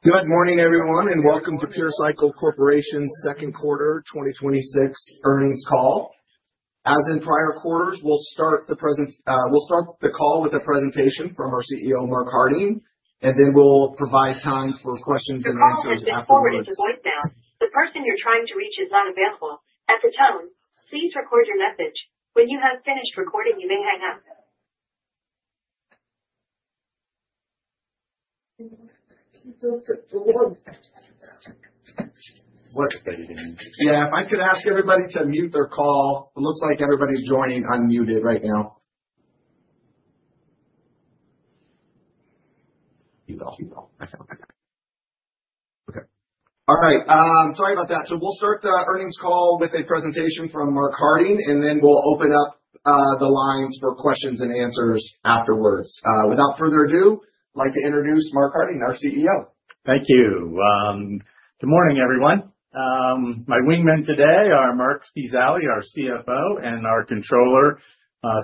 Good morning, everyone, and welcome to Pure Cycle Corporation's second quarter 2026 earnings call. As in prior quarters, we'll start the call with a presentation from our CEO, Mark Harding, and then we'll provide time for questions and answers afterwards. Your call has been forwarded to voicemail. The person you're trying to reach is unavailable. At the tone, please record your message. When you have finished recording, you may hang up. Yeah, if I could ask everybody to mute their call. It looks like everybody's joining unmuted right now. Okay. All right. Sorry about that. We'll start the earnings call with a presentation from Mark Harding, and then we'll open up the lines for questions and answers afterwards. Without further ado, I'd like to introduce Mark Harding, our CEO. Thank you. Good morning, everyone. My wingmen today are Marc Spezialy, our CFO, and our controller,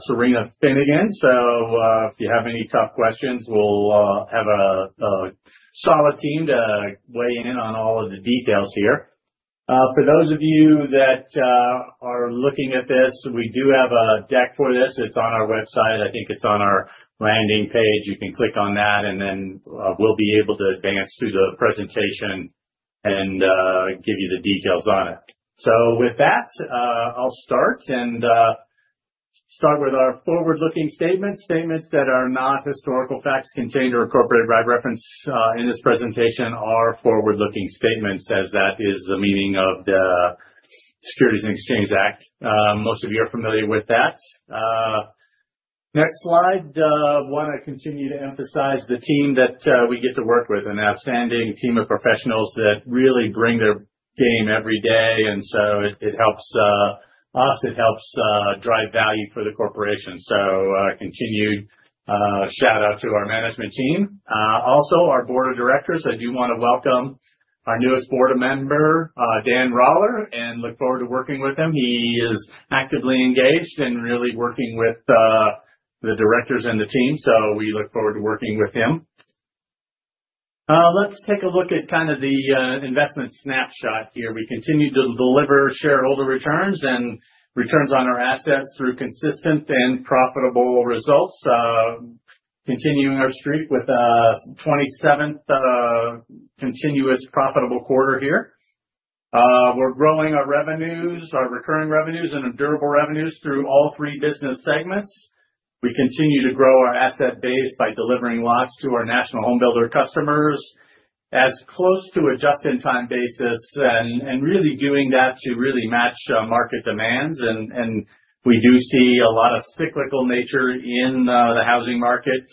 Serena Finnegan. If you have any tough questions, we'll have a solid team to weigh in on all of the details here. For those of you that are looking at this, we do have a deck for this. It's on our website. I think it's on our landing page. You can click on that and then we'll be able to advance through the presentation and give you the details on it. With that, I'll start with our forward-looking statements. Statements that are not historical facts, contained or incorporated by reference in this presentation are forward-looking statements as that is the meaning of the Securities Exchange Act. Most of you are familiar with that. Next slide. I want to continue to emphasize the team that we get to work with, an outstanding team of professionals that really bring their game every day. It helps us, it helps drive value for the corporation. A continued shout-out to our management team. Also, our board of directors. I do want to welcome our newest board member, Dan Roller, and look forward to working with him. He is actively engaged in really working with the directors and the team, so we look forward to working with him. Let's take a look at kind of the investment snapshot here. We continue to deliver shareholder returns and returns on our assets through consistent and profitable results. Continuing our streak with a 27th continuous profitable quarter here. We're growing our revenues, our recurring revenues, and durable revenues through all three business segments. We continue to grow our asset base by delivering lots to our national home builder customers as close to a just-in-time basis and really doing that to really match market demands, and we do see a lot of cyclical nature in the housing market.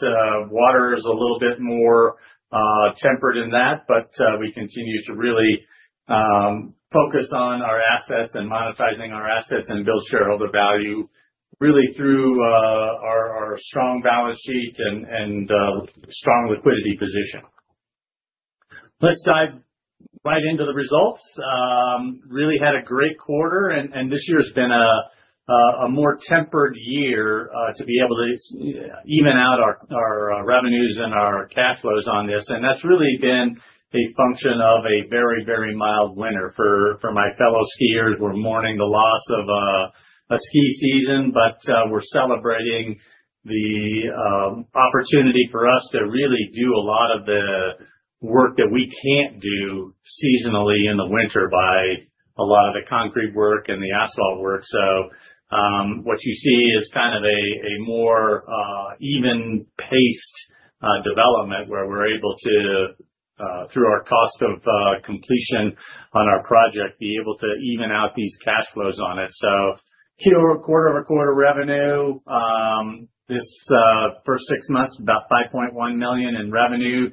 Water is a little bit more tempered in that, but we continue to really focus on our assets and monetizing our assets and build shareholder value really through our strong balance sheet and strong liquidity position. Let's dive right into the results. We really had a great quarter and this year has been a more tempered year, to be able to even out our revenues and our cash flows on this. That's really been a function of a very, very mild winter. For my fellow skiers, we're mourning the loss of a ski season, but we're celebrating the opportunity for us to really do a lot of the work that we can't do seasonally in the winter by a lot of the concrete work and the asphalt work. What you see is kind of a more even paced development where we're able to, through our cost of completion on our project, be able to even out these cash flows on it. Quarter-over-quarter revenue, this first six months, about $5.1 million in revenue,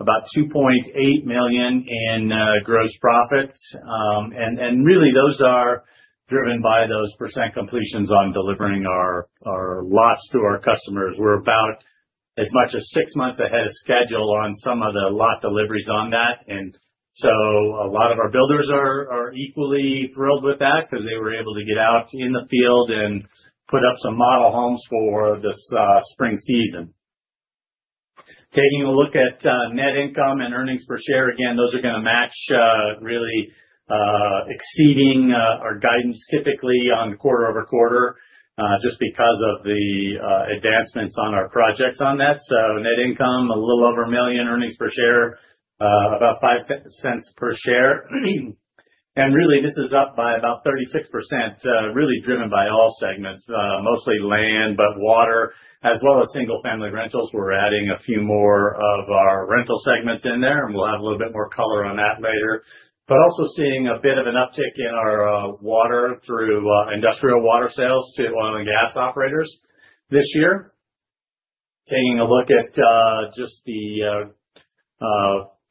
about $2.8 million in gross profit. Really, those are driven by those percent completions on delivering our lots to our customers. We're about as much as six months ahead of schedule on some of the lot deliveries on that. A lot of our builders are equally thrilled with that because they were able to get out in the field and put up some model homes for this spring season. Taking a look at net income and earnings per share. Again, those are going to match, really exceeding our guidance typically on quarter-over-quarter, just because of the advancements on our projects on that. Net income, a little over $1 million, earnings per share, about $0.05 per share. Really this is up by about 36%, really driven by all segments. Mostly land, but water as well as single-family rentals. We're adding a few more of our rental segments in there, and we'll have a little bit more color on that later. Also seeing a bit of an uptick in our water through industrial water sales to oil and gas operators this year. Taking a look at just the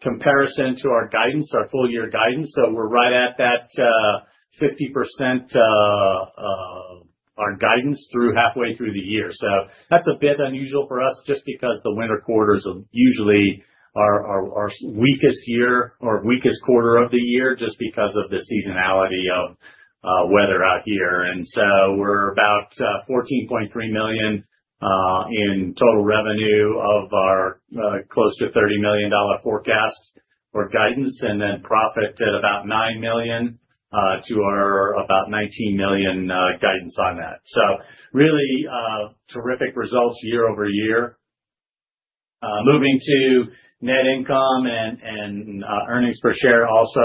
comparison to our guidance, our full year guidance. We're right at that 50% of our guidance through halfway through the year. That's a bit unusual for us just because the winter quarters usually are our weakest quarter of the year just because of the seasonality of weather out here. We're about $14.3 million in total revenue of our close to $30 million forecast or guidance, and then profit at about $9 million to our about $19 million guidance on that. Really terrific results year-over-year. Moving to net income and earnings per share also,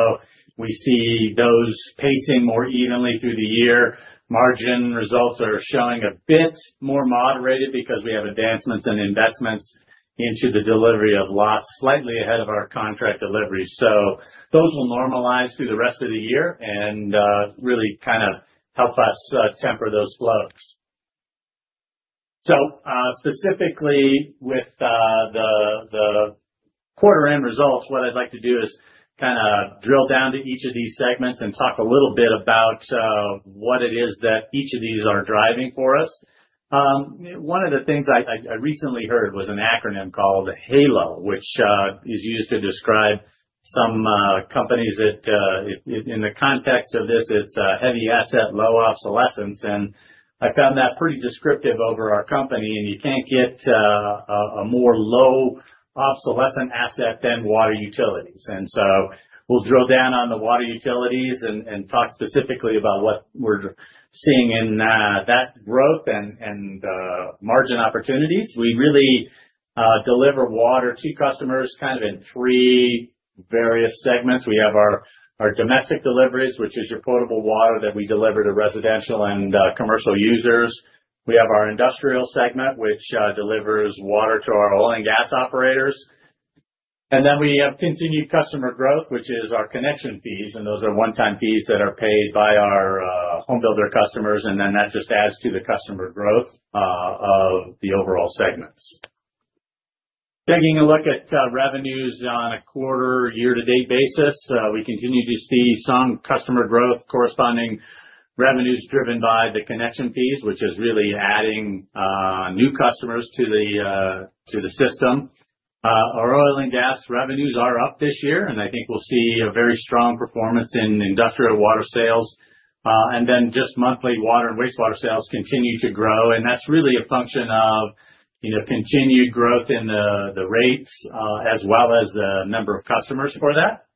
we see those pacing more evenly through the year. Margin results are showing a bit more moderated because we have advancements in investments into the delivery of lots slightly ahead of our contract delivery. Those will normalize through the rest of the year and really help us temper those flows. Specifically with the quarter end results, what I'd like to do is kind of drill down to each of these segments and talk a little bit about what it is that each of these are driving for us. One of the things I recently heard was an acronym called HALO, which is used to describe some companies in the context of this, it's heavy asset, low obsolescence, and I found that pretty descriptive over our company. You can't get a more low obsolescent asset than water utilities. We'll drill down on the water utilities and talk specifically about what we're seeing in that growth and margin opportunities. We really deliver water to customers kind of in three various segments. We have our domestic deliveries, which is your potable water that we deliver to residential and commercial users. We have our industrial segment, which delivers water to our oil and gas operators. We have continued customer growth, which is our connection fees, and those are one-time fees that are paid by our home builder customers, and then that just adds to the customer growth of the overall segments. Taking a look at revenues on a quarter, year-to-date basis, we continue to see some customer growth, corresponding revenues driven by the connection fees, which is really adding new customers to the system. Our oil and gas revenues are up this year, and I think we'll see a very strong performance in industrial water sales. Just monthly water and wastewater sales continue to grow, and that's really a function of continued growth in the rates as well as the number of customers for that.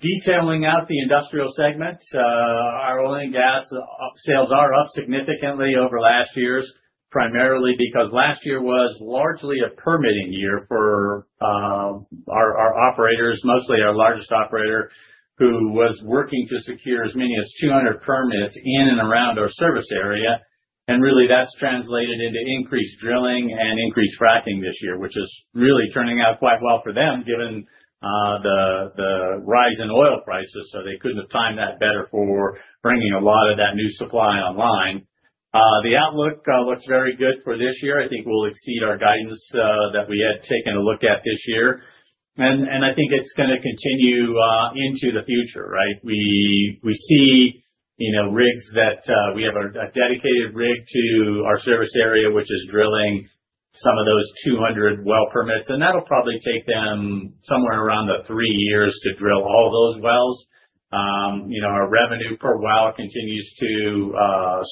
Detailing out the industrial segments, our oil and gas sales are up significantly over last year's, primarily because last year was largely a permitting year for our operators, mostly our largest operator, who was working to secure as many as 200 permits in and around our service area. Really that's translated into increased drilling and increased fracking this year, which is really turning out quite well for them given the rise in oil prices. They couldn't have timed that better for bringing a lot of that new supply online. The outlook looks very good for this year. I think we'll exceed our guidance that we had taken a look at this year. I think it's going to continue into the future, right? We have a dedicated rig to our service area, which is drilling some of those 200 well permits, and that'll probably take them somewhere around three years to drill all those wells. Our revenue per well continues to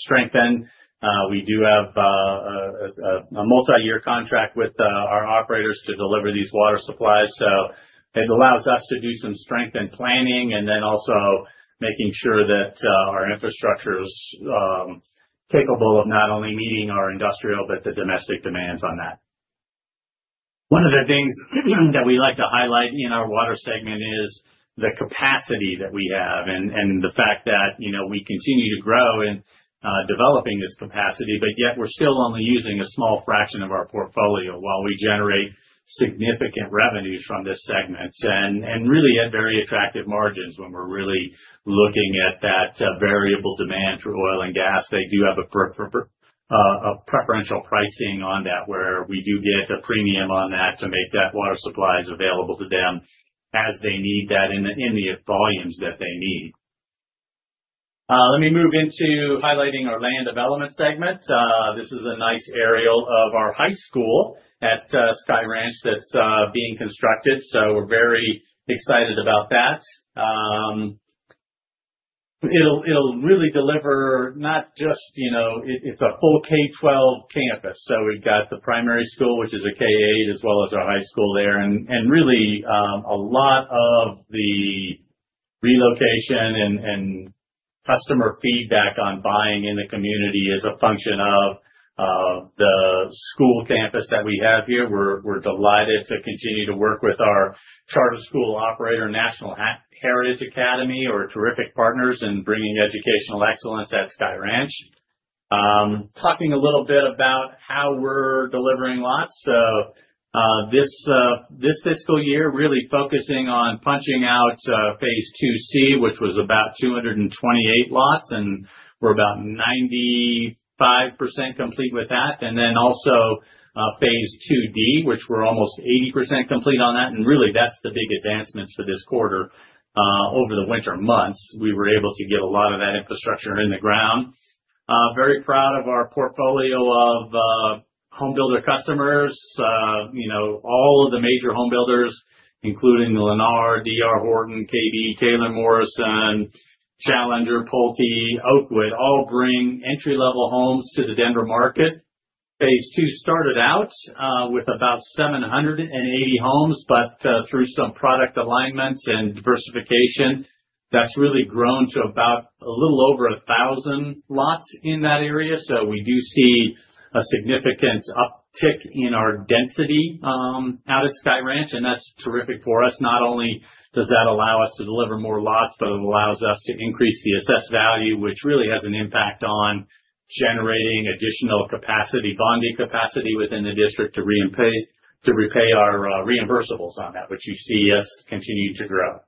strengthen. We do have a multi-year contract with our operators to deliver these water supplies, so it allows us to do some strength and planning and then also making sure that our infrastructure is capable of not only meeting our industrial, but the domestic demands on that. One of the things that we like to highlight in our water segment is the capacity that we have and the fact that we continue to grow in developing this capacity. Yet we're still only using a small fraction of our portfolio while we generate significant revenues from these segments and really at very attractive margins when we're really looking at that variable demand for oil and gas. They do have a preferential pricing on that, where we do get a premium on that to make that water supplies available to them as they need that in the volumes that they need. Let me move into highlighting our land development segment. This is a nice aerial of our high school at Sky Ranch that's being constructed, so we're very excited about that. It'll really deliver not just. It's a full K-12 campus. We've got the primary school, which is a K-8, as well as our high school there, and really, a lot of the relocation and customer feedback on buying in the community is a function of the school campus that we have here. We're delighted to continue to work with our charter school operator, National Heritage Academy. They're terrific partners in bringing educational excellence at Sky Ranch. Talking a little bit about how we're delivering lots. This fiscal year, really focusing on punching out phase II-C, which was about 228 lots, and we're about 95% complete with that. Then also phase II-D, which we're almost 80% complete on that. Really that's the big advancements for this quarter. Over the winter months, we were able to get a lot of that infrastructure in the ground. Very proud of our portfolio of homebuilder customers, all of the major home builders, including Lennar, D.R. Horton, KB, Taylor Morrison, Challenger, Pulte, Oakwood, all bring entry-level homes to the Denver market. Phase II started out with about 780 homes, but through some product alignments and diversification, that's really grown to about a little over 1,000 lots in that area. We do see a significant uptick in our density out at Sky Ranch, and that's terrific for us. Not only does that allow us to deliver more lots, but it allows us to increase the assessed value, which really has an impact on generating additional capacity, bonding capacity within the district to repay our reimbursables on that, which you see us continue to grow.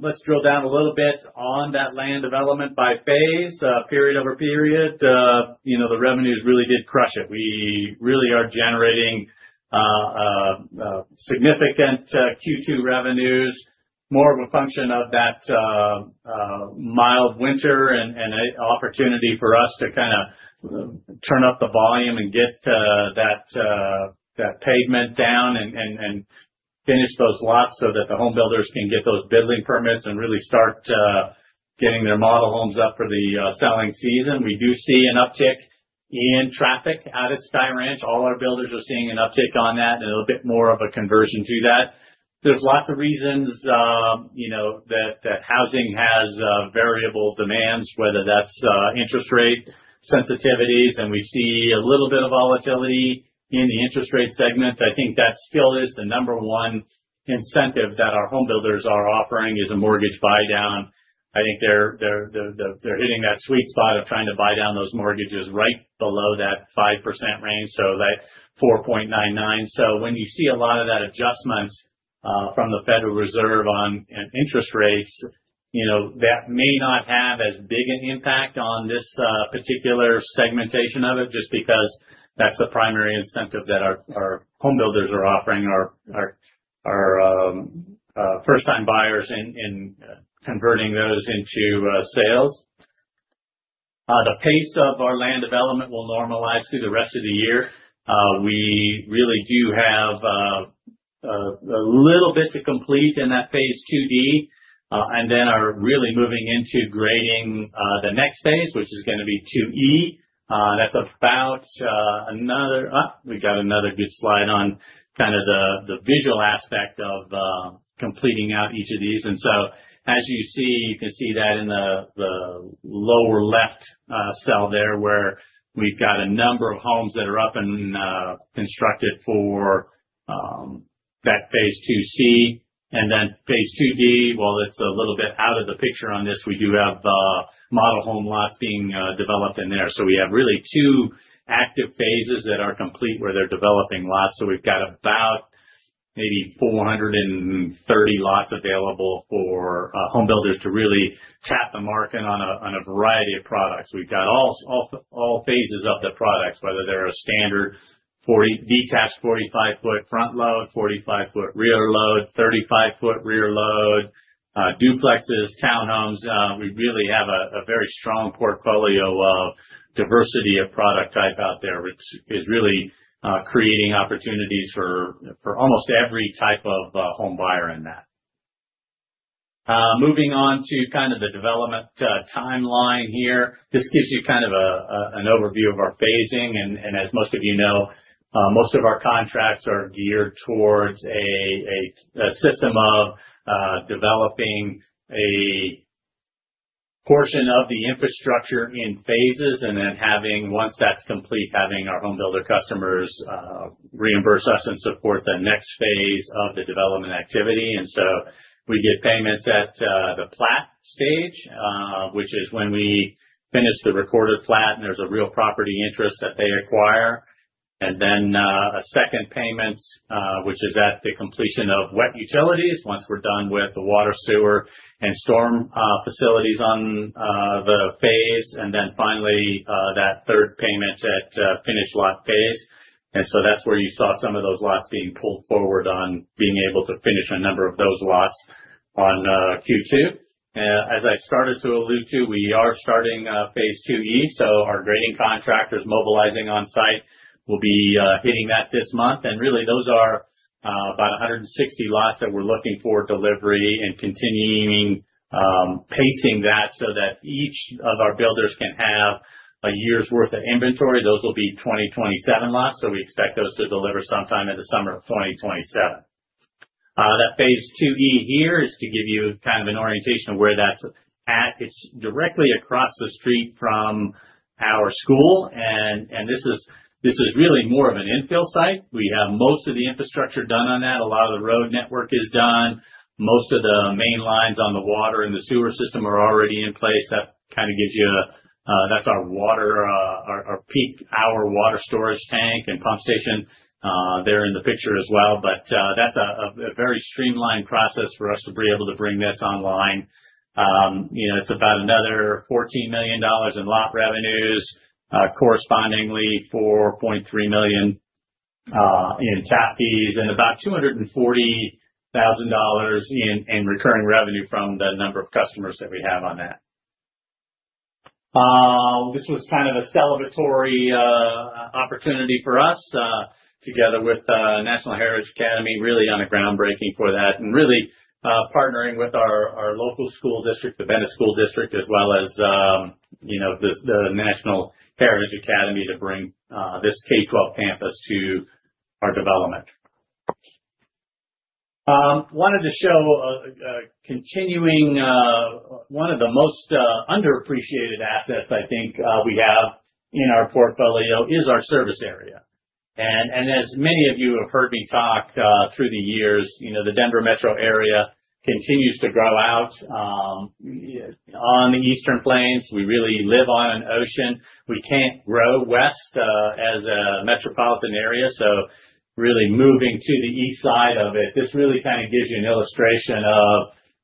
Let's drill down a little bit on that land development by phase. Period-over-period, the revenues really did crush it. We really are generating significant Q2 revenues, more of a function of that mild winter and an opportunity for us to kind of turn up the volume and get that pavement down and finish those lots so that the home builders can get those building permits and really start getting their model homes up for the selling season. We do see an uptick in traffic out at Sky Ranch. All our builders are seeing an uptick on that and a little bit more of a conversion to that. There's lots of reasons that housing has variable demands, whether that's interest rate sensitivities, and we see a little bit of volatility in the interest rate segment. I think that still is the number one incentive that our home builders are offering, is a mortgage buydown. I think they're hitting that sweet spot of trying to buy down those mortgages right below that 5% range, so that 4.99%. When you see a lot of that adjustment from the Federal Reserve on interest rates, that may not have as big an impact on this particular segmentation of it, just because that's the primary incentive that our home builders are offering our first-time buyers in converting those into sales. The pace of our land development will normalize through the rest of the year. We really do have a little bit to complete in that phase II-D, and then are really moving into grading the next phase, which is going to be phase II-E. We've got another good slide on the visual aspect of completing out each of these. As you see, you can see that in the lower left cell there, where we've got a number of homes that are up and constructed for that phase II-C and then phase II-D, while it's a little bit out of the picture on this, we do have model home lots being developed in there. We have really two active phases that are complete where they're developing lots. We've got about maybe 430 lots available for home builders to really tap the market on a variety of products. We've got all phases of the products, whether they're a standard detached 45 foot front load, 45 foot rear load, 35 foot rear load, duplexes, townhomes. We really have a very strong portfolio of diversity of product type out there, which is really creating opportunities for almost every type of home buyer in that. Moving on to kind of the development timeline here. This gives you kind of an overview of our phasing. As most of you know, most of our contracts are geared towards a system of developing a portion of the infrastructure in phases and then having, once that's complete, having our home builder customers reimburse us and support the next phase of the development activity. We get payments at the plat stage, which is when we finish the recorded plat, and there's a real property interest that they acquire. A second payment, which is at the completion of wet utilities, once we're done with the water, sewer, and storm facilities on the phase. Finally, that third payment at finished lot phase. That's where you saw some of those lots being pulled forward on being able to finish a number of those lots on Q2. As I started to allude to, we are starting phase II-E, so our grading contractor is mobilizing on site. We'll be hitting that this month. Really those are about 160 lots that we're looking for delivery and continuing pacing that so that each of our builders can have a year's worth of inventory. Those will be 2027 lots, so we expect those to deliver sometime in the summer of 2027. That phase II-E here is to give you kind of an orientation of where that's at. It's directly across the street from our school, and this is really more of an infill site. We have most of the infrastructure done on that. A lot of the road network is done. Most of the main lines on the water and the sewer system are already in place. That's our peak hour water storage tank and pump station there in the picture as well. That's a very streamlined process for us to be able to bring this online. It's about another $14 million in lot revenues, correspondingly, $4.3 million in tap fees and about $240,000 in recurring revenue from the number of customers that we have on that. This was kind of a celebratory opportunity for us, together with National Heritage Academies, really on a groundbreaking for that, and really partnering with our local school district, the Bennett School District, as well as the National Heritage Academies to bring this K-12 campus to our development. I wanted to show continuing one of the most underappreciated assets I think we have in our portfolio is our service area. As many of you have heard me talk through the years, the Denver metro area continues to grow out on the Eastern Plains. We really live on an ocean. We can't grow west as a metropolitan area, so really moving to the east side of it. This really kind of gives you an illustration of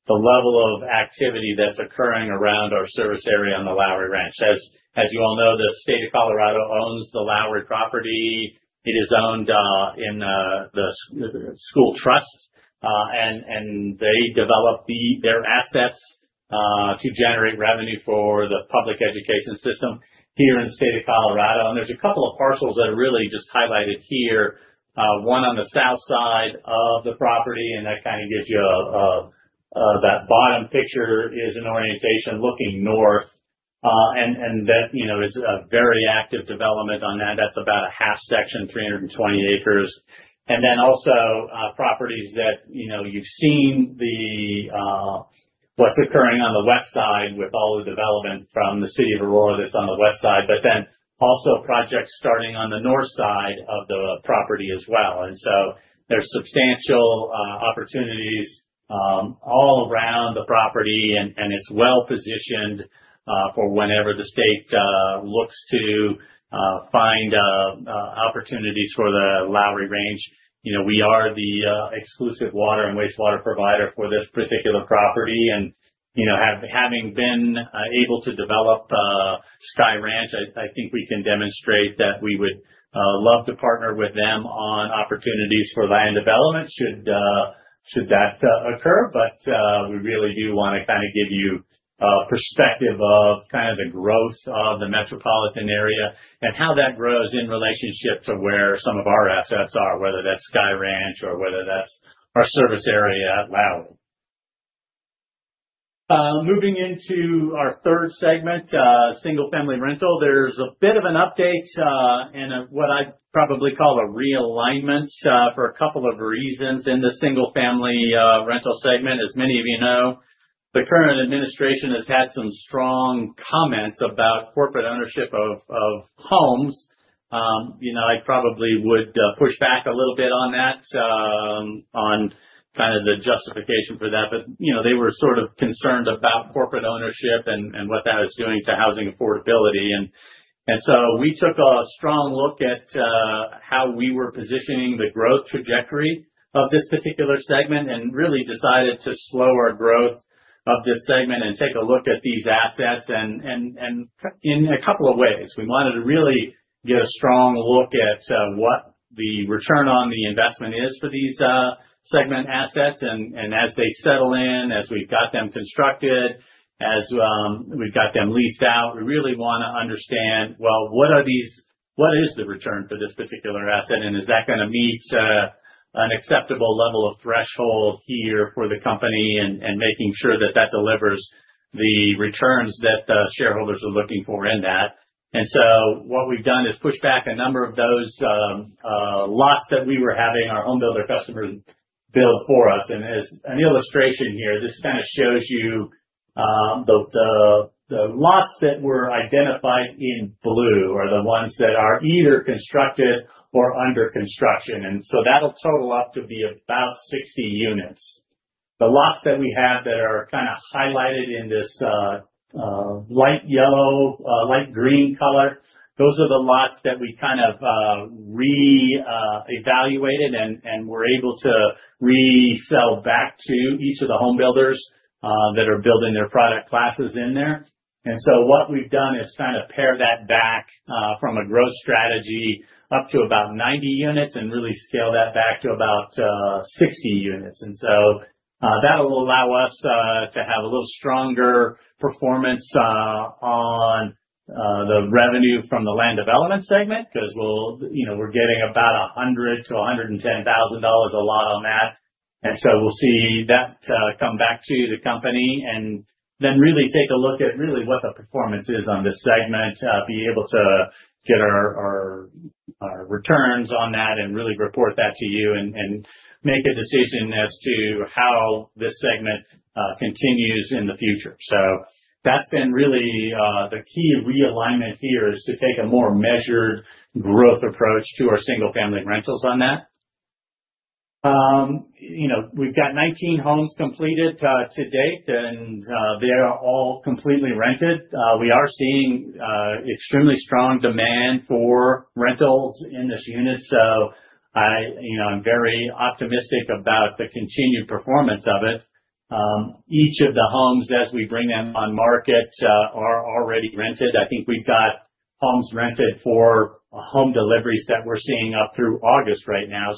the level of activity that's occurring around our service area on the Lowry Ranch. As you all know, the state of Colorado owns the Lowry property. It is owned in the school trust, and they develop their assets to generate revenue for the public education system here in the state of Colorado. There's a couple of parcels that are really just highlighted here, one on the south side of the property, and that kind of gives you. That bottom picture is an orientation looking north. That is a very active development on that. That's about a half section, 320 acres. Also properties that you've seen what's occurring on the west side with all the development from the City of Aurora that's on the west side, but then also projects starting on the north side of the property as well. There's substantial opportunities all around the property and it's well-positioned for whenever the state looks to find opportunities for the Lowry Range. We are the exclusive water and wastewater provider for this particular property. Having been able to develop Sky Ranch, I think we can demonstrate that we would love to partner with them on opportunities for land development, should that occur. We really do want to kind of give you a perspective of kind of the growth of the metropolitan area and how that grows in relationship to where some of our assets are, whether that's Sky Ranch or whether that's our service area at Lowry. Moving into our third segment, single-family rental. There's a bit of an update, and what I'd probably call a realignment, for a couple of reasons in the single-family rental segment. As many of you know, the current administration has had some strong comments about corporate ownership of homes. I probably would push back a little bit on that, on kind of the justification for that, but they were sort of concerned about corporate ownership and what that is doing to housing affordability. We took a strong look at how we were positioning the growth trajectory of this particular segment and really decided to slow our growth of this segment and take a look at these assets in a couple of ways. We wanted to really get a strong look at what the return on the investment is for these segment assets. As they settle in, as we've got them constructed, as we've got them leased out, we really want to understand, well, what is the return for this particular asset and is that going to meet an acceptable level of threshold here for the company and making sure that that delivers the returns that the shareholders are looking for in that. What we've done is pushed back a number of those lots that we were having our home builder customers build for us. As an illustration here, this kind of shows you the lots that were identified in blue are the ones that are either constructed or under construction, and so that'll total up to be about 60 units. The lots that we have that are kind of highlighted in this light yellow, light green color, those are the lots that we kind of re-evaluated and were able to resell back to each of the home builders that are building their product classes in there. What we've done is kind of pare that back from a growth strategy up to about 90 units and really scale that back to about 60 units. That'll allow us to have a little stronger performance on the revenue from the land development segment because we're getting about $100,000-$110,000 a lot on that. We'll see that come back to the company and then really take a look at really what the performance is on this segment, be able to get our returns on that and really report that to you and make a decision as to how this segment continues in the future. That's been really the key realignment here is to take a more measured growth approach to our single-family rentals on that. We've got 19 homes completed to date and they are all completely rented. We are seeing extremely strong demand for rentals in this unit, so I'm very optimistic about the continued performance of it. Each of the homes as we bring them on market are already rented. I think we've got homes rented for home deliveries that we're seeing up through August right now.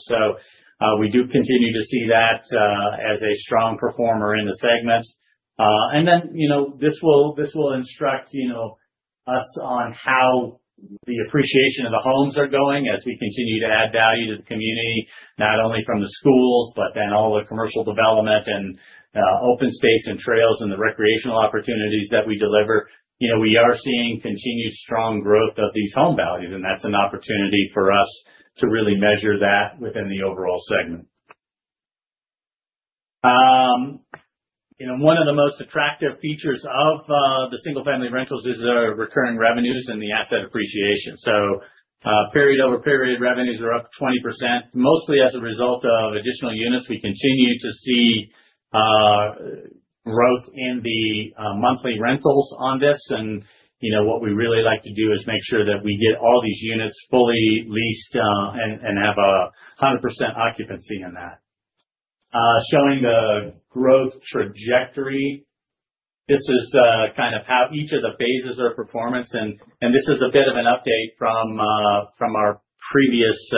We do continue to see that as a strong performer in the segment. This will instruct us on how the appreciation of the homes are going as we continue to add value to the community, not only from the schools, but then all the commercial development and open space and trails and the recreational opportunities that we deliver. We are seeing continued strong growth of these home values and that's an opportunity for us to really measure that within the overall segment. One of the most attractive features of the single-family rentals is our recurring revenues and the asset appreciation. Period-over-period revenues are up 20%, mostly as a result of additional units. We continue to see growth in the monthly rentals on this, and what we really like to do is make sure that we get all these units fully leased and have 100% occupancy in that. Showing the growth trajectory, this is kind of how each of the phases are performing and this is a bit of an update from our previous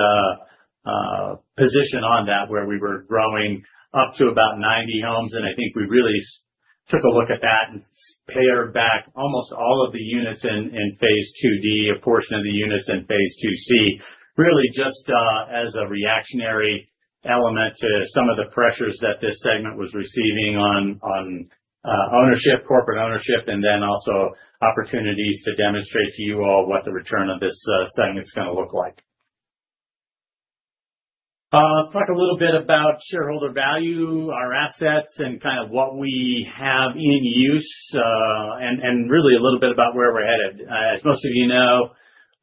position on that, where we were growing up to about 90 homes. I think we really took a look at that and pared back almost all of the units in phase II-D, a portion of the units in phase II-C. Really just as a reactive element to some of the pressures that this segment was receiving on corporate ownership and then also opportunities to demonstrate to you all what the return on this segment is going to look like. Talk a little bit about shareholder value, our assets, and what we have in use, and really a little bit about where we're headed. As most of you know,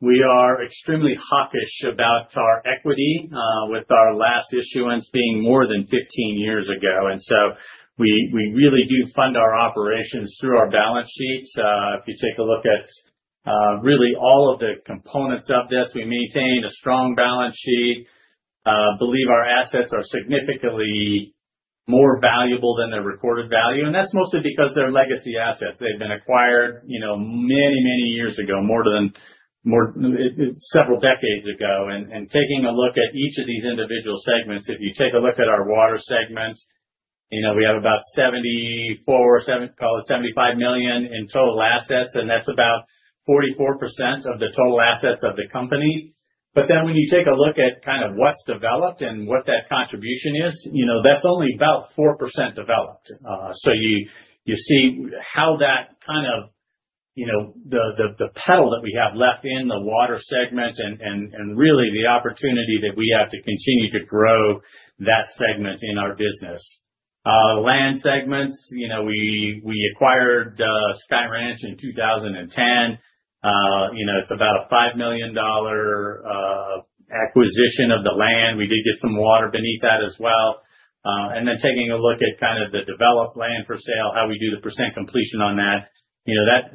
we are extremely hawkish about our equity, with our last issuance being more than 15 years ago, and so we really do fund our operations through our balance sheets. If you take a look at really all of the components of this, we maintain a strong balance sheet, believe our assets are significantly more valuable than their recorded value. That's mostly because they're legacy assets. They've been acquired many years ago, several decades ago. Taking a look at each of these individual segments, if you take a look at our water segment, we have about $74 million, call it $75 million in total assets, and that's about 44% of the total assets of the company. When you take a look at what's developed and what that contribution is, that's only about 4% developed. You see how the potential that we have left in the water segment and really the opportunity that we have to continue to grow that segment in our business. Land segments. We acquired Sky Ranch in 2010. It's about a $5 million acquisition of the land. We did get some water beneath that as well. Taking a look at the developed land for sale, how we do the percent completion on that.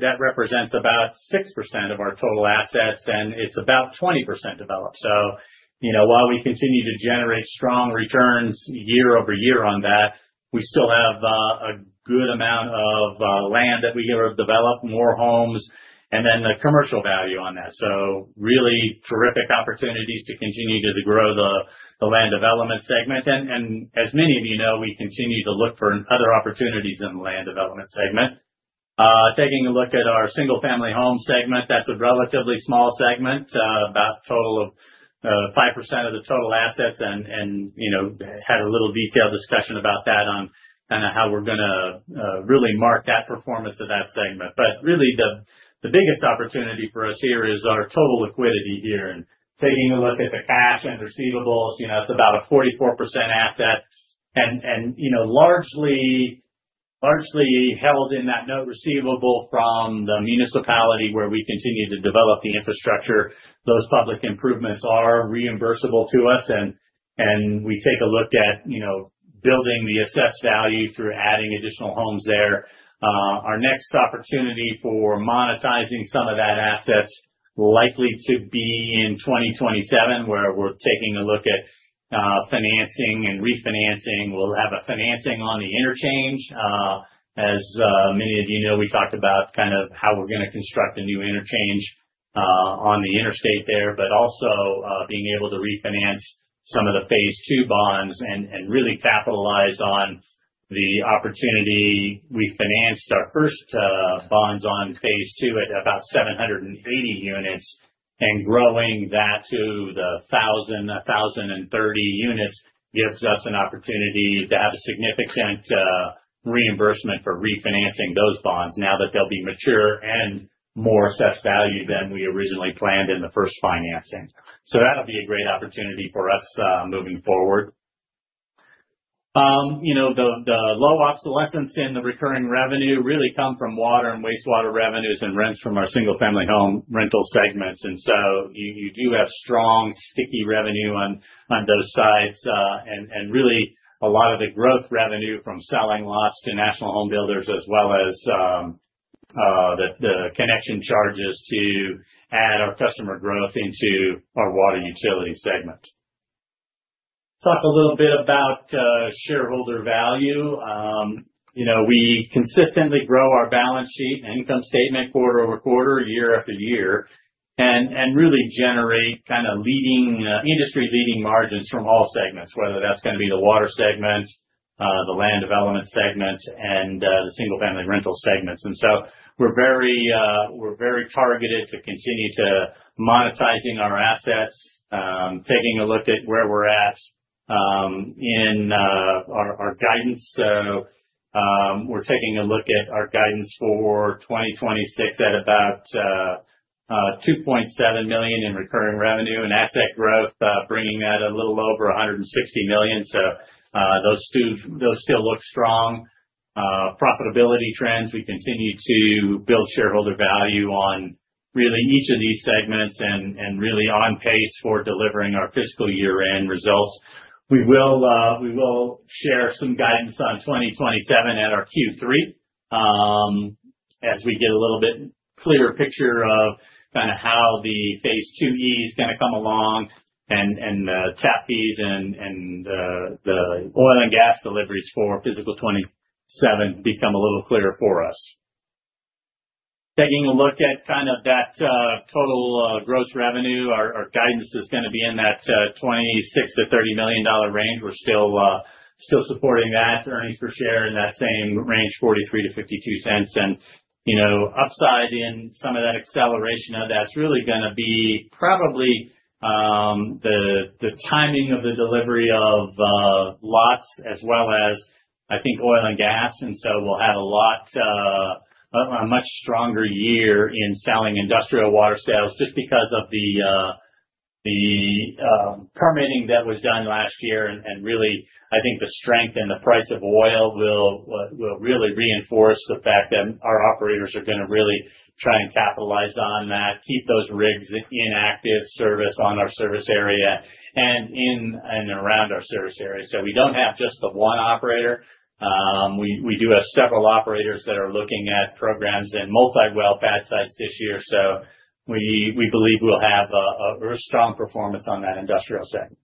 That represents about 6% of our total assets, and it's about 20% developed. While we continue to generate strong returns year-over-year on that, we still have a good amount of land that we are developing more homes and then the commercial value on that. Really terrific opportunities to continue to grow the land development segment. As many of you know, we continue to look for other opportunities in the land development segment. Taking a look at our single-family home segment. That's a relatively small segment, about a total of 5% of the total assets and had a little detailed discussion about that on how we're going to really mark that performance of that segment. Really the biggest opportunity for us here is our total liquidity here. Taking a look at the cash and receivables, it's about a 44% asset and largely held in that note receivable from the municipality where we continue to develop the infrastructure. Those public improvements are reimbursable to us, and we take a look at building the assessed value through adding additional homes there. Our next opportunity for monetizing some of that asset is likely to be in 2027, where we're taking a look at financing and refinancing. We'll have a financing on the interchange. As many of you know, we talked about how we're going to construct a new interchange on the interstate there, but also being able to refinance some of the phase II bonds and really capitalize on the opportunity. We financed our first bonds on phase II at about 780 units, and growing that to the 1,000, 1,030 units gives us an opportunity to have a significant reimbursement for refinancing those bonds now that they'll be mature and more assessed value than we originally planned in the first financing. That'll be a great opportunity for us moving forward. The low obsolescence in the recurring revenue really come from water and wastewater revenues and rents from our single-family home rental segments. You do have strong, sticky revenue on those sides. Really a lot of the growth revenue from selling lots to national home builders as well as the connection charges to add our customer growth into our water utility segment. Talk a little bit about shareholder value. We consistently grow our balance sheet, income statement quarter-over-quarter, year-after-year, and really generate industry-leading margins from all segments, whether that's going to be the water segment, the land development segment, and the single family rental segments. We're very targeted to continue to monetizing our assets, taking a look at where we're at in our guidance. We're taking a look at our guidance for 2026 at about $2.7 million in recurring revenue and asset growth, bringing that a little over $160 million. Those still look strong. Profitability trends, we continue to build shareholder value on really each of these segments and really on pace for delivering our fiscal year-end results. We will share some guidance on 2027 at our Q3, as we get a little bit clearer picture of how the phase II-E is going to come along and the tap fees and the oil and gas deliveries for fiscal 2027 become a little clearer for us. Taking a look at that total gross revenue. Our guidance is going to be in that $26 million-$30 million range. We're still supporting that earnings per share in that same range, $0.43-$0.52. Upside in some of that acceleration of that's really going to be probably the timing of the delivery of lots as well as, I think, oil and gas. Really, I think the strength and the price of oil will really reinforce the fact that our operators are going to really try and capitalize on that, keep those rigs in active service on our service area and in and around our service area. We don't have just the one operator. We do have several operators that are looking at programs in multi-well pad sites this year, so we believe we'll have a very strong performance on that industrial segment.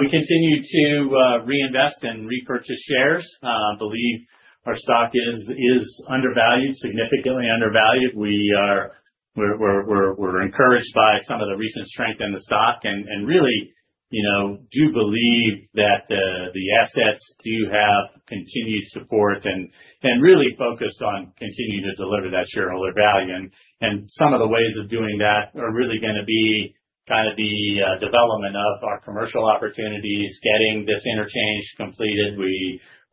We continue to reinvest and repurchase shares. We believe our stock is undervalued, significantly undervalued. We're encouraged by some of the recent strength in the stock and really do believe that the assets do have continued support and really focused on continuing to deliver that shareholder value. Some of the ways of doing that are really going to be the development of our commercial opportunities, getting this interchange completed.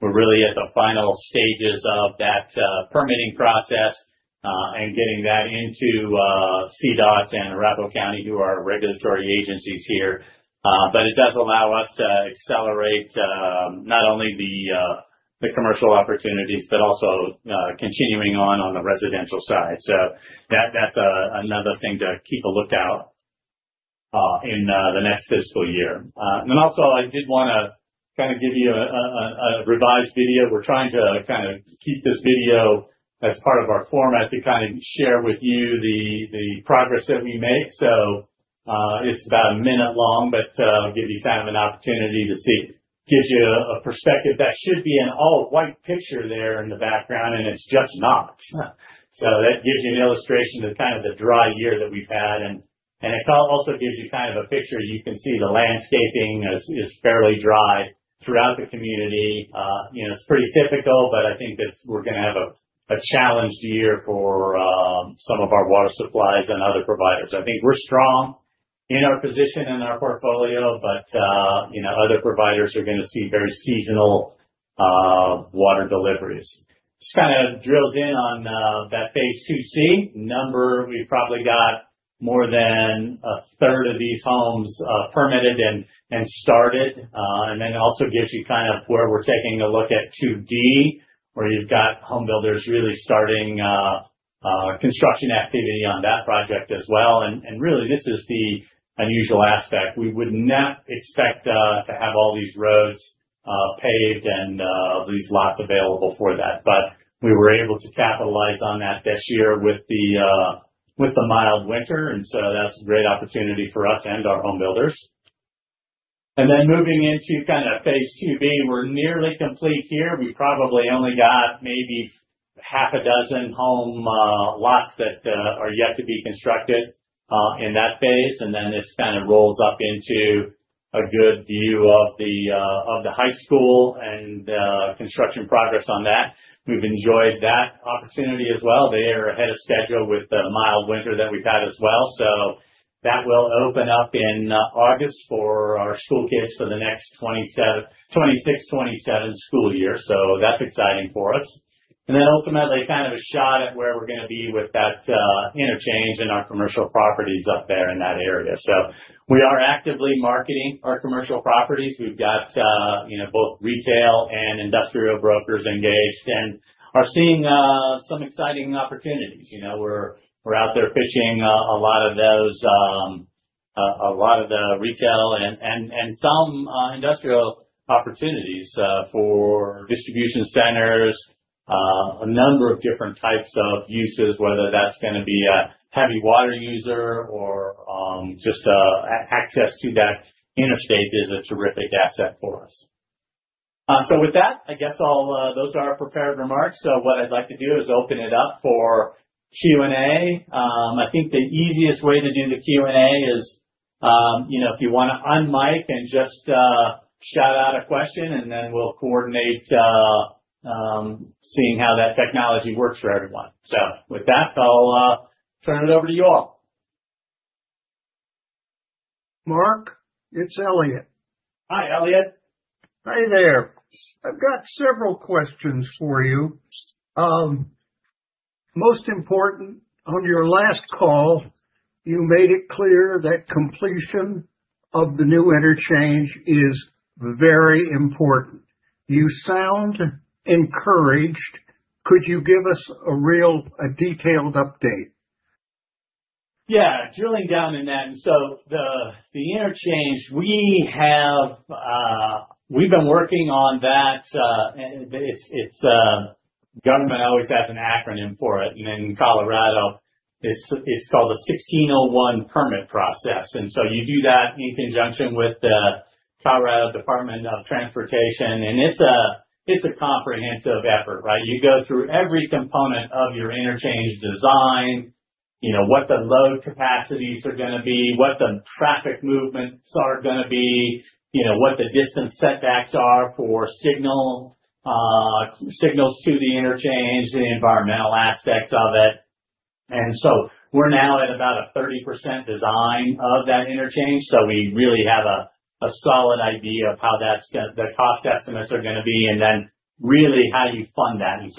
We're really at the final stages of that permitting process, and getting that into CDOT and Arapahoe County, who are our regulatory agencies here. It does allow us to accelerate not only the commercial opportunities, but also continuing on the residential side. That's another thing to keep a lookout in the next fiscal year. I did want to give you a revised view. We're trying to keep this view as part of our format to kind of share with you the progress that we make. It's about a minute long, but it'll give you an opportunity to see. Gives you a perspective. That should be an all white picture there in the background, and it's just not. That gives you an illustration of the dry year that we've had, and it also gives you a picture. You can see the landscaping is fairly dry throughout the community. It's pretty typical, but I think we're going to have a challenging year for some of our water supplies and other providers. I think we're strong in our position and our portfolio, but other providers are going to see very seasonal water deliveries. Just kind of drills in on that phase II-C number. We've probably got more than a third of these homes permitted and started. Then also gives you where we're taking a look at phase II-D, where you've got home builders really starting construction activity on that project as well. Really this is the unusual aspect. We would not expect to have all these roads paved and these lots available for that. We were able to capitalize on that this year with the mild winter, and so that's a great opportunity for us and our home builders. Moving into phase II-B, we're nearly complete here. We've probably only got maybe half a dozen home lots that are yet to be constructed in that phase, and then this kind of rolls up into a good view of the high school and the construction progress on that. We've enjoyed that opportunity as well. They are ahead of schedule with the mild winter that we've had as well. That will open up in August for our school kids for the next 2026-2027 school year. That's exciting for us. Ultimately kind of a shot at where we're going to be with that interchange and our commercial properties up there in that area. We are actively marketing our commercial properties. We've got both retail and industrial brokers engaged and are seeing some exciting opportunities. We're out there pitching a lot of the retail and some industrial opportunities for distribution centers. A number of different types of uses, whether that's going to be a heavy water user or just access to that interstate is a terrific asset for us. With that, I guess all those are our prepared remarks. What I'd like to do is open it up for Q&A. I think the easiest way to do the Q&A is if you want to unmic and just shout out a question, and then we'll coordinate seeing how that technology works for everyone. With that, I'll turn it over to you all. Mark, it's Elliott. Hi, Elliott. Hi there. I've got several questions for you. Most important, on your last call, you made it clear that completion of the new interchange is very important. You sound encouraged. Could you give us a real detailed update? Yeah. Drilling down in that. The interchange, we've been working on that. The government always has an acronym for it, and in Colorado it's called a 1601 permit process. You do that in conjunction with the Colorado Department of Transportation, and it's a comprehensive effort, right? You go through every component of your interchange design, what the load capacities are going to be, what the traffic movements are going to be, what the distance setbacks are for signals to the interchange, the environmental aspects of it. We're now at about a 30% design of that interchange. We really have a solid idea of how the cost estimates are going to be and then really how do you fund that. It's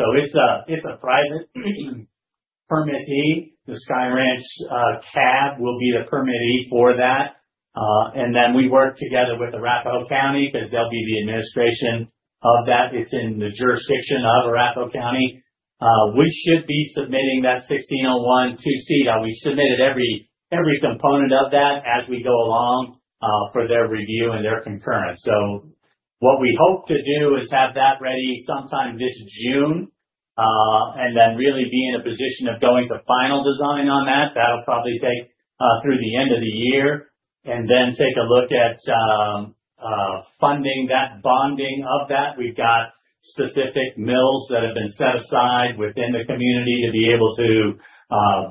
a private permittee. The Sky Ranch CAB will be the permittee for that. We work together with Arapahoe County because they'll be the administration of that. It's in the jurisdiction of Arapahoe County. We should be submitting that 1601 to CDOT. We've submitted every component of that as we go along for their review and their concurrence. What we hope to do is have that ready sometime this June, and then really be in a position of going to final design on that. That'll probably take through the end of the year. Take a look at funding that bonding of that. We've got specific mills that have been set aside within the community to be able to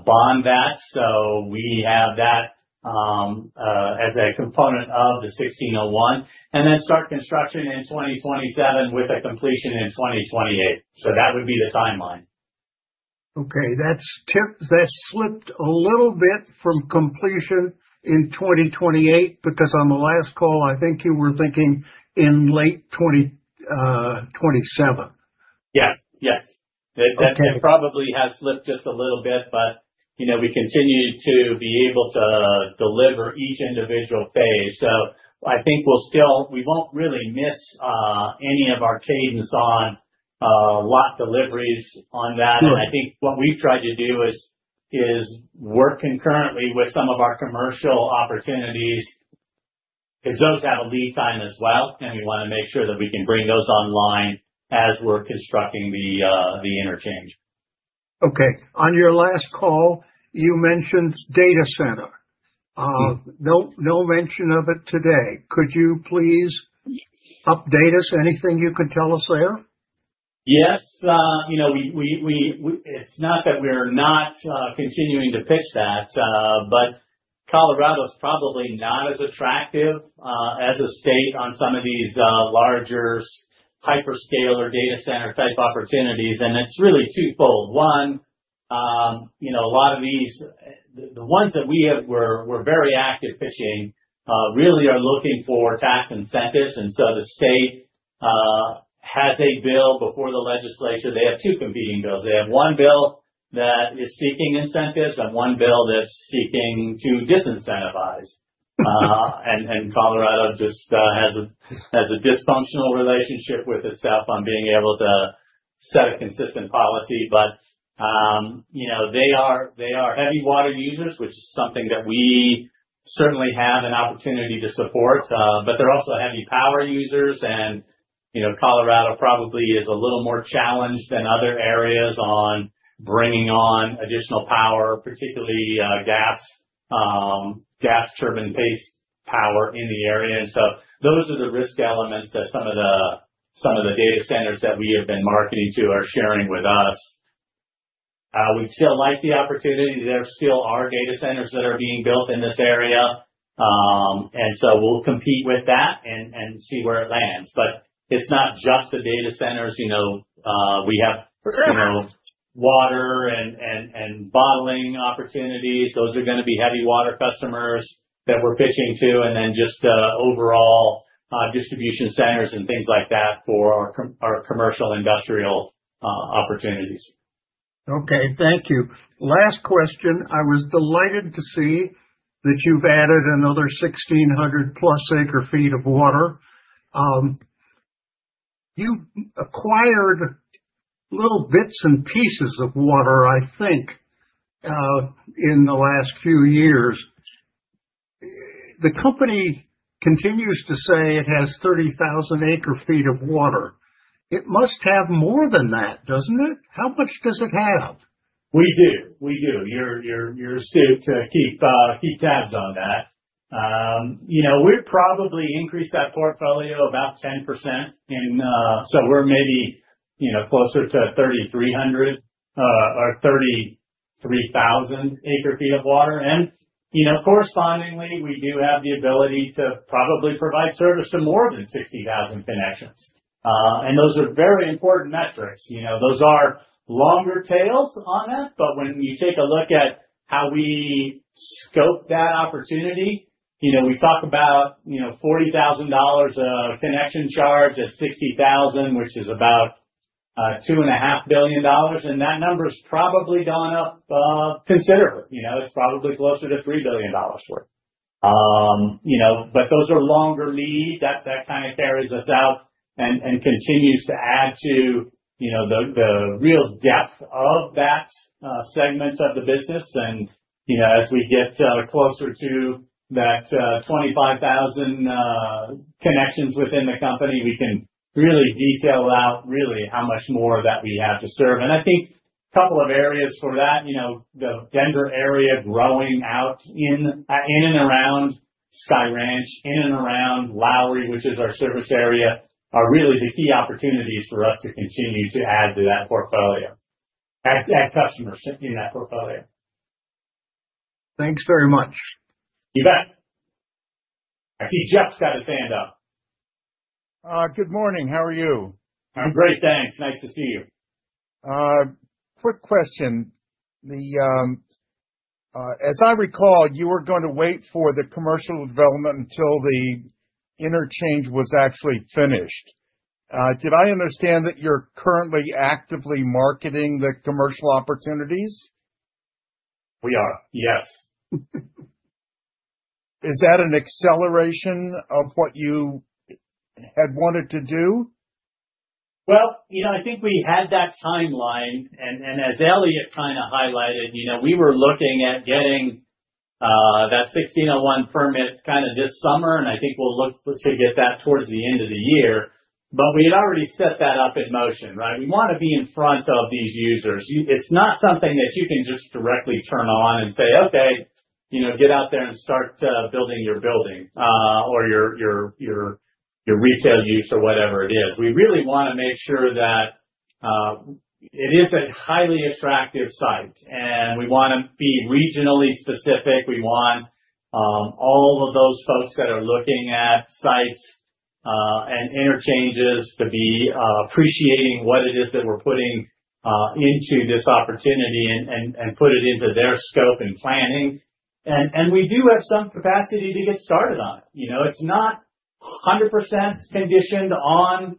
bond that. We have that as a component of the 1601, and then start construction in 2027, with a completion in 2028. That would be the timeline. Okay. That slipped a little bit from completion in 2028, because on the last call, I think you were thinking in late 2027. Yeah. Yes. Okay. That probably has slipped just a little bit, but we continue to be able to deliver each individual phase. I think we won't really miss any of our cadence on lot deliveries on that. Sure. I think what we've tried to do is work concurrently with some of our commercial opportunities, because those have a lead time as well, and we want to make sure that we can bring those online as we're constructing the interchange. Okay. On your last call, you mentioned data center. Mm-hmm. No mention of it today. Could you please update us? Anything you can tell us there? Yes. It's not that we're not continuing to pitch that, but Colorado's probably not as attractive as a state on some of these larger hyperscaler data center type opportunities, and it's really twofold. One, the ones that we were very active pitching, really are looking for tax incentives, and so the state has a bill before the legislature. They have two competing bills. They have one bill that is seeking incentives and one bill that's seeking to disincentivize. Colorado just has a dysfunctional relationship with itself on being able to set a consistent policy. They are heavy water users, which is something that we certainly have an opportunity to support. They're also heavy power users, and Colorado probably is a little more challenged than other areas on bringing on additional power, particularly gas turbine-based power in the area. Those are the risk elements that some of the data centers that we have been marketing to are sharing with us. We still like the opportunity. There still are data centers that are being built in this area. We'll compete with that and see where it lands. It's not just the data centers. We have water and bottling opportunities. Those are going to be heavy water customers that we're pitching to. Just the overall distribution centers and things like that for our commercial industrial opportunities. Okay. Thank you. Last question. I was delighted to see that you've added another 1,600-plus acre-feet of water. You acquired little bits and pieces of water, I think, in the last few years. The company continues to say it has 30,000 acre-feet of water. It must have more than that, doesn't it? How much does it have? We do. You're astute to keep tabs on that. We've probably increased that portfolio about 10%, and so we're maybe closer to 3,300 or 33,000 acre feet of water. Correspondingly, we do have the ability to probably provide service to more than 60,000 connections. Those are very important metrics. Those are longer tails on it, but when you take a look at how we scope that opportunity, we talk about $40,000 of connection charge at 60,000, which is about $2.5 billion. That number's probably gone up considerably. It's probably closer to $3 billion worth. But those are longer lead. That carries us out and continues to add to the real depth of that segment of the business. As we get closer to that 25,000 connections within the company, we can really detail out really how much more of that we have to serve. I think a couple of areas for that, the Denver area growing out in and around Sky Ranch, in and around Lowry, which is our service area, are really the key opportunities for us to continue to add to that portfolio, add customers in that portfolio. Thanks very much. You bet. I see Jeff's got his hand up. Good morning. How are you? I'm great, thanks. Nice to see you. Quick question. As I recall, you were going to wait for the commercial development until the interchange was actually finished. Did I understand that you're currently actively marketing the commercial opportunities? We are, yes. Is that an acceleration of what you had wanted to do? Well, I think we had that timeline, and as Elliot highlighted, we were looking at getting that 1601 permit this summer, and I think we'll look to get that towards the end of the year. We had already set that up in motion, right? We want to be in front of these users. It's not something that you can just directly turn on and say, "Okay, get out there and start building your building," or your retail use or whatever it is. We really want to make sure that it is a highly attractive site, and we want to be regionally specific. We want all of those folks that are looking at sites and interchanges to be appreciating what it is that we're putting into this opportunity and put it into their scope in planning. We do have some capacity to get started on it. It's not 100% conditioned on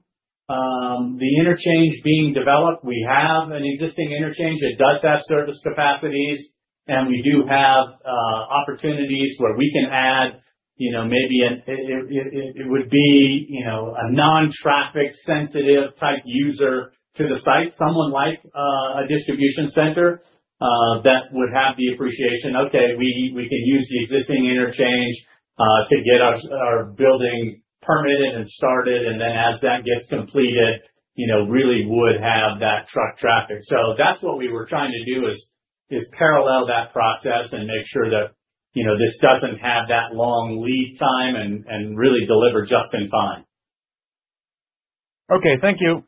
the interchange being developed. We have an existing interchange that does have service capacities, and we do have opportunities where we can add maybe it would be a non-traffic sensitive type user to the site, someone like a distribution center, that would have the appreciation, "Okay, we could use the existing interchange, to get our building permitted and started," and then as that gets completed, really would have that truck traffic. That's what we were trying to do, is parallel that process and make sure that this doesn't have that long lead time and really deliver just in time. Okay. Thank you.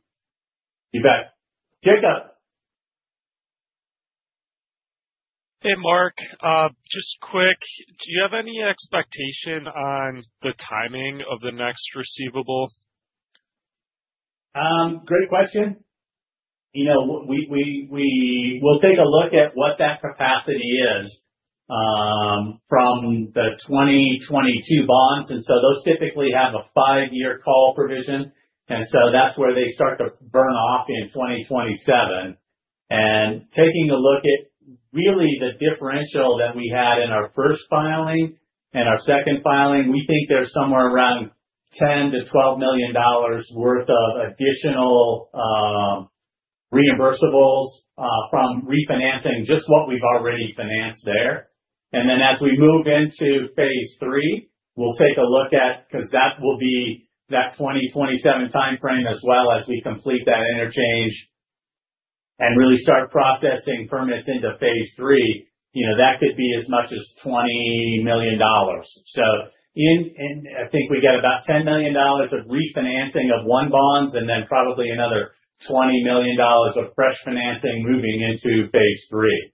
You bet. Jacob. Hey, Mark. Just quick, do you have any expectation on the timing of the next receivable? Great question. We'll take a look at what that capacity is from the 2022 bonds. Those typically have a five-year call provision, and that's where they start to burn off in 2027. Taking a look at really the differential that we had in our first filing and our second filing, we think there's somewhere around $10 million-$12 million worth of additional reimbursables from refinancing just what we've already financed there. As we move into phase III, we'll take a look at because that will be that 2027 timeframe as well, as we complete that interchange and really start processing permits into phase III, that could be as much as $20 million. I think we get about $10 million of refinancing of one bonds, and then probably another $20 million of fresh financing moving into phase III.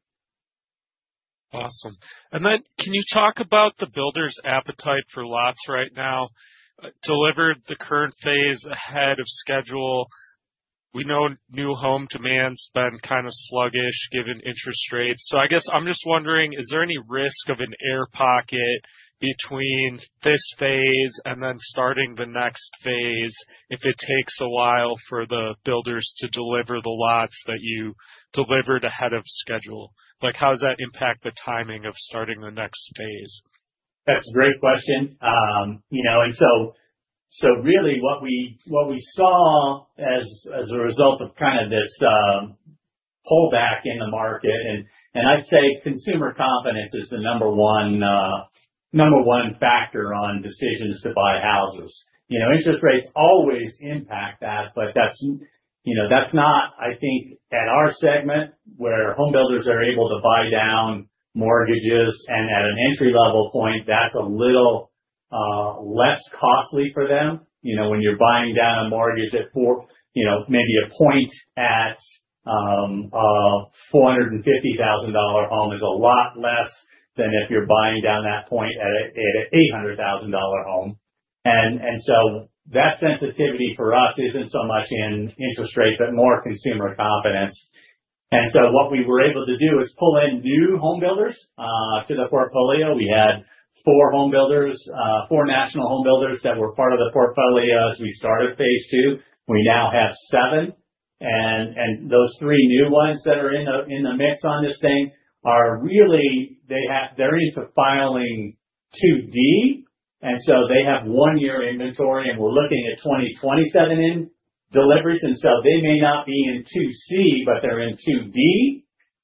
Awesome. Can you talk about the builders' appetite for lots right now? We delivered the current phase ahead of schedule. We know new home demand's been kind of sluggish given interest rates. I guess I'm just wondering, is there any risk of an air pocket between this phase and then starting the next phase if it takes a while for the builders to deliver the lots that you delivered ahead of schedule? How does that impact the timing of starting the next phase? That's a great question. Really, what we saw as a result of kind of this pull back in the market, I'd say consumer confidence is the number one factor on decisions to buy houses. Interest rates always impact that, but that's not, I think, at our segment, where home builders are able to buy down mortgages, and at an entry-level point, that's a little less costly for them. When you're buying down a mortgage at four, maybe a point at a $450,000 home is a lot less than if you're buying down that point at a $800,000 home. That sensitivity for us isn't so much in interest rate, but more consumer confidence. What we were able to do is pull in new home builders to the portfolio. We had four home builders, four national home builders that were part of the portfolio as we started phase II. We now have seven, and those three new ones that are in the mix on this thing are really into filing 2D, and so they have one year of inventory, and we're looking at 2027 deliveries, they may not be in 2C but they're in 2D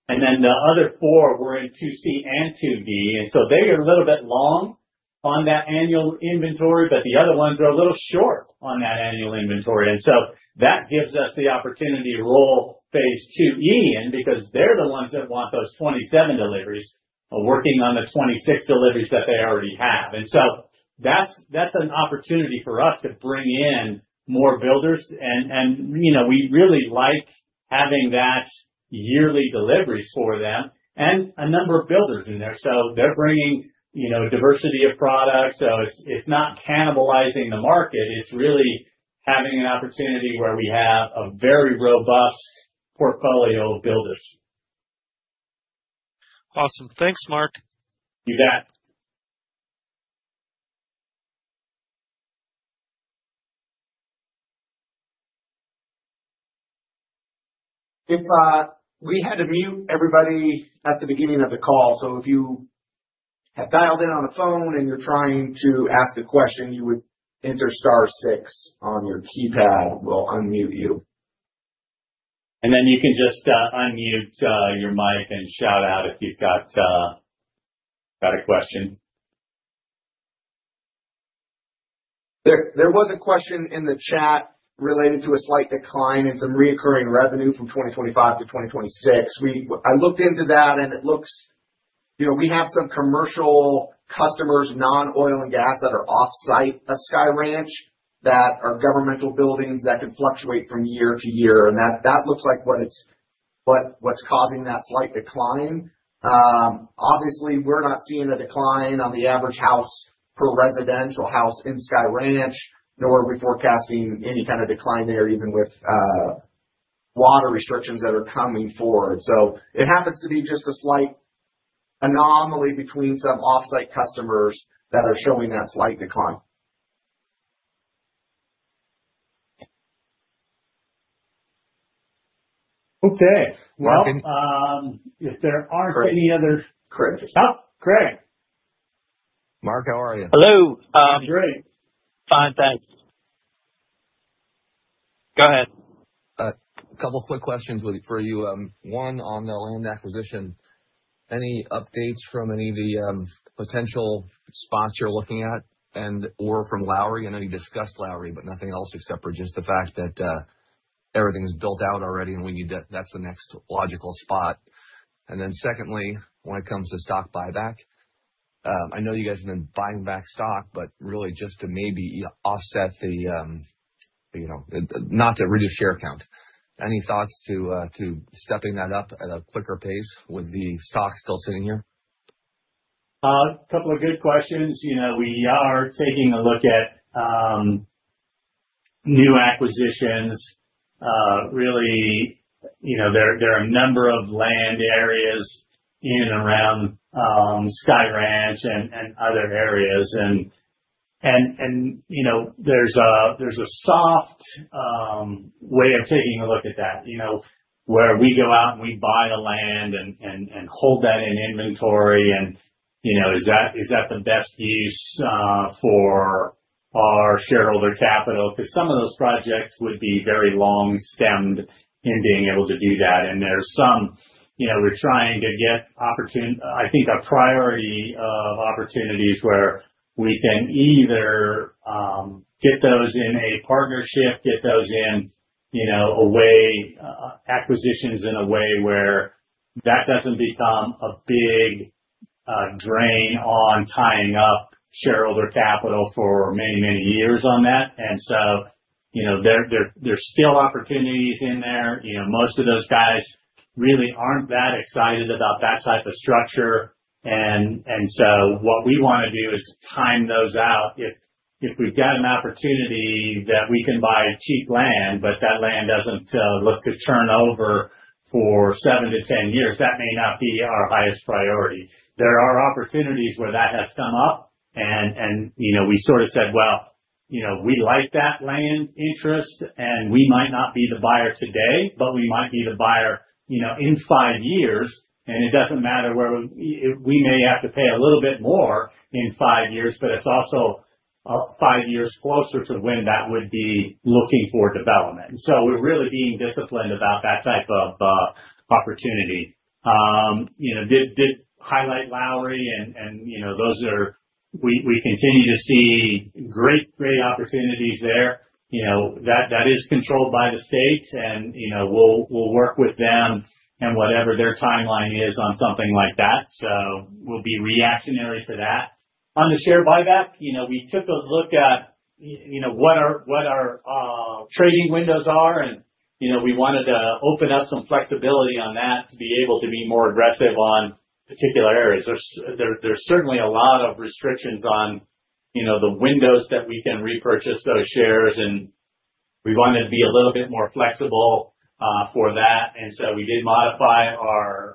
and then the other four were in 2C and 2D, and so they are a little bit long on that annual inventory, but the other ones are a little short on that annual inventory. That gives us the opportunity to roll phase II-E in because they're the ones that want those 2027 deliveries working on the 2026 deliveries that they already have. That's an opportunity for us to bring in more builders. We really like having that yearly deliveries for them and a number of builders in there. They're bringing diversity of product. It's not cannibalizing the market. It's really having an opportunity where we have a very robust portfolio of builders. Awesome. Thanks, Mark. You bet. If we had to mute everybody at the beginning of the call. If you have dialed in on a phone and you're trying to ask a question, you would enter star six on your keypad. We'll unmute you. You can just unmute your mic and shout out if you've got a question. There was a question in the chat related to a slight decline in some recurring revenue from 2025 to 2026. I looked into that, and it looks like we have some commercial customers, non-oil and gas, that are off-site of Sky Ranch that are governmental buildings that can fluctuate from year-to-year, and that looks like what's causing that slight decline. Obviously, we're not seeing a decline on the average house per residential house in Sky Ranch, nor we forecasting any kind of decline there, even with water restrictions that are coming forward. It happens to be just a slight anomaly between some off-site customers that are showing that slight decline. Okay. Well, if there aren't any other. Craig. Oh, Craig. Mark, how are you? Hello. Great. Fine, thanks. Go ahead. A couple of quick questions for you. One on the land acquisition. Any updates from any of the potential spots you're looking at and/or from Lowry? I know you discussed Lowry, but nothing else except for just the fact that everything's built out already, and that's the next logical spot. Then secondly, when it comes to stock buyback, I know you guys have been buying back stock, but really just to maybe offset the, not to reduce share count. Any thoughts to stepping that up at a quicker pace with the stock still sitting here? A couple of good questions. We are taking a look at new acquisitions. Really, there are a number of land areas in and around Sky Ranch and other areas. There's a sort of way of taking a look at that where we go out and we buy the land and hold that in inventory. Is that the best use for our shareholder capital? Because some of those projects would be very long-term in being able to do that. There's some we're trying to get opportunities. I think a priority of opportunities where we can either get those in a partnership, get those in a way, acquisitions in a way where that doesn't become a big drain on tying up shareholder capital for many, many years on that. There's still opportunities in there. Most of those guys really aren't that excited about that type of structure. What we want to do is time those out. If we've got an opportunity that we can buy cheap land, but that land doesn't look to turn over for 7-10 years, that may not be our highest priority. There are opportunities where that has come up, and we sort of said, "Well, we like that land interest, and we might not be the buyer today, but we might be the buyer in five years." It doesn't matter where we may have to pay a little bit more in five years, but it's also five years closer to when that would be looking for development. We're really being disciplined about that type of opportunity. We did highlight Lowry and we continue to see great opportunities there. That is controlled by the states and we'll work with them and whatever their timeline is on something like that. We'll be reactionary to that. On the share buyback, we took a look at what our trading windows are, and we wanted to open up some flexibility on that to be able to be more aggressive on particular areas. There's certainly a lot of restrictions on the windows that we can repurchase those shares, and we wanted to be a little bit more flexible for that. We did modify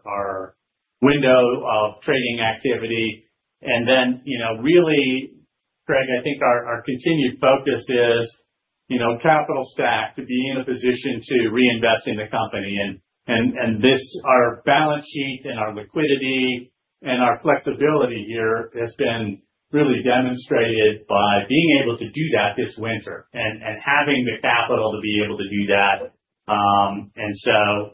our window of trading activity. Really, Greg, I think our continued focus is capital stack to be in a position to reinvest in the company. Our balance sheet and our liquidity and our flexibility here has been really demonstrated by being able to do that this winter and having the capital to be able to do that.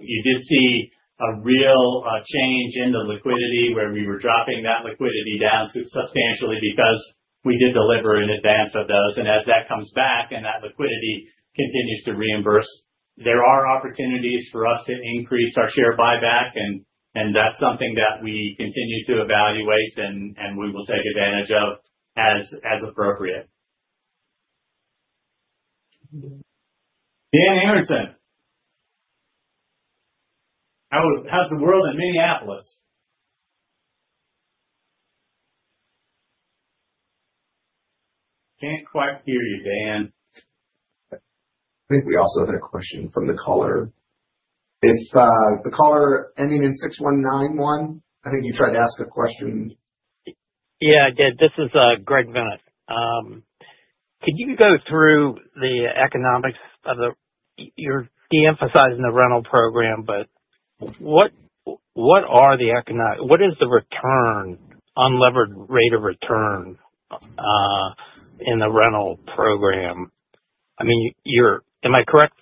You did see a real change in the liquidity, where we were dropping that liquidity down substantially because we did deliver in advance of those. As that comes back and that liquidity continues to reimburse, there are opportunities for us to increase our share buyback. That's something that we continue to evaluate and we will take advantage of as appropriate. Daniel Aronson. How's the world in Minneapolis? Can't quite hear you, Dan. I think we also had a question from the caller. It's the caller ending in 6191. I think you tried to ask a question. Yeah, I did. This is Greg Bennett. Could you go through the economics? You're de-emphasizing the rental program, but what is the unlevered rate of return in the rental program? Am I correct?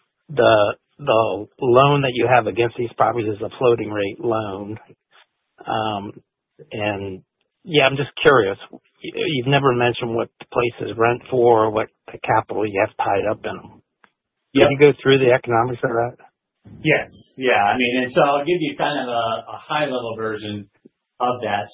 The loan that you have against these properties is a floating rate loan. Yeah, I'm just curious. You've never mentioned what the places rent for or what capital you have tied up in them. Yeah. Can you go through the economics of that? Yes. Yeah. I'll give you kind of a high level version of that.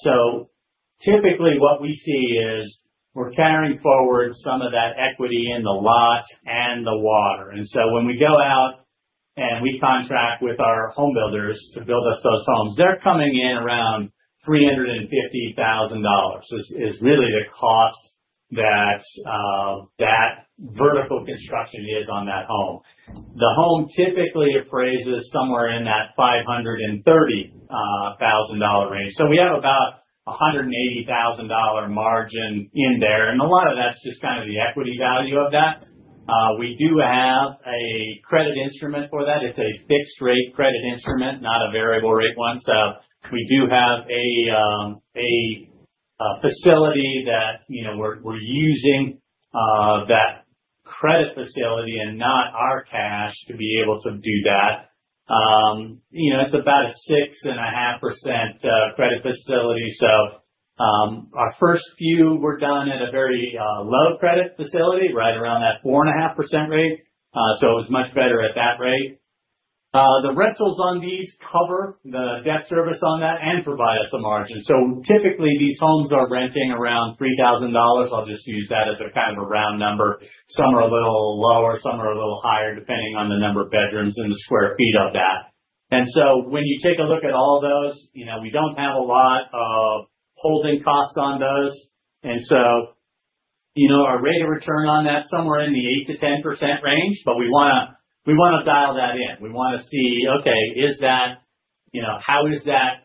Typically what we see is we're carrying forward some of that equity in the lot and the water. When we go out and we contract with our home builders to build us those homes, they're coming in around $350,000, is really the cost that vertical construction is on that home. The home typically appraises somewhere in that $530,000 range. We have about a $180,000 margin in there. A lot of that's just kind of the equity value of that. We do have a credit instrument for that. It's a fixed rate credit instrument, not a variable rate one. We do have a facility that we're using that credit facility and not our cash to be able to do that. It's about a 6.5% credit facility. Our first few were done at a very low credit facility, right around that 4.5% rate. It was much better at that rate. The rentals on these cover the debt service on that and provide us a margin. Typically, these homes are renting around $3,000. I'll just use that as a kind of a round number. Some are a little lower, some are a little higher, depending on the number of bedrooms and the square feet of that. When you take a look at all of those, we don't have a lot of holding costs on those. Our rate of return on that, somewhere in the 8%-10% range. We want to dial that in. We want to see, okay, how is that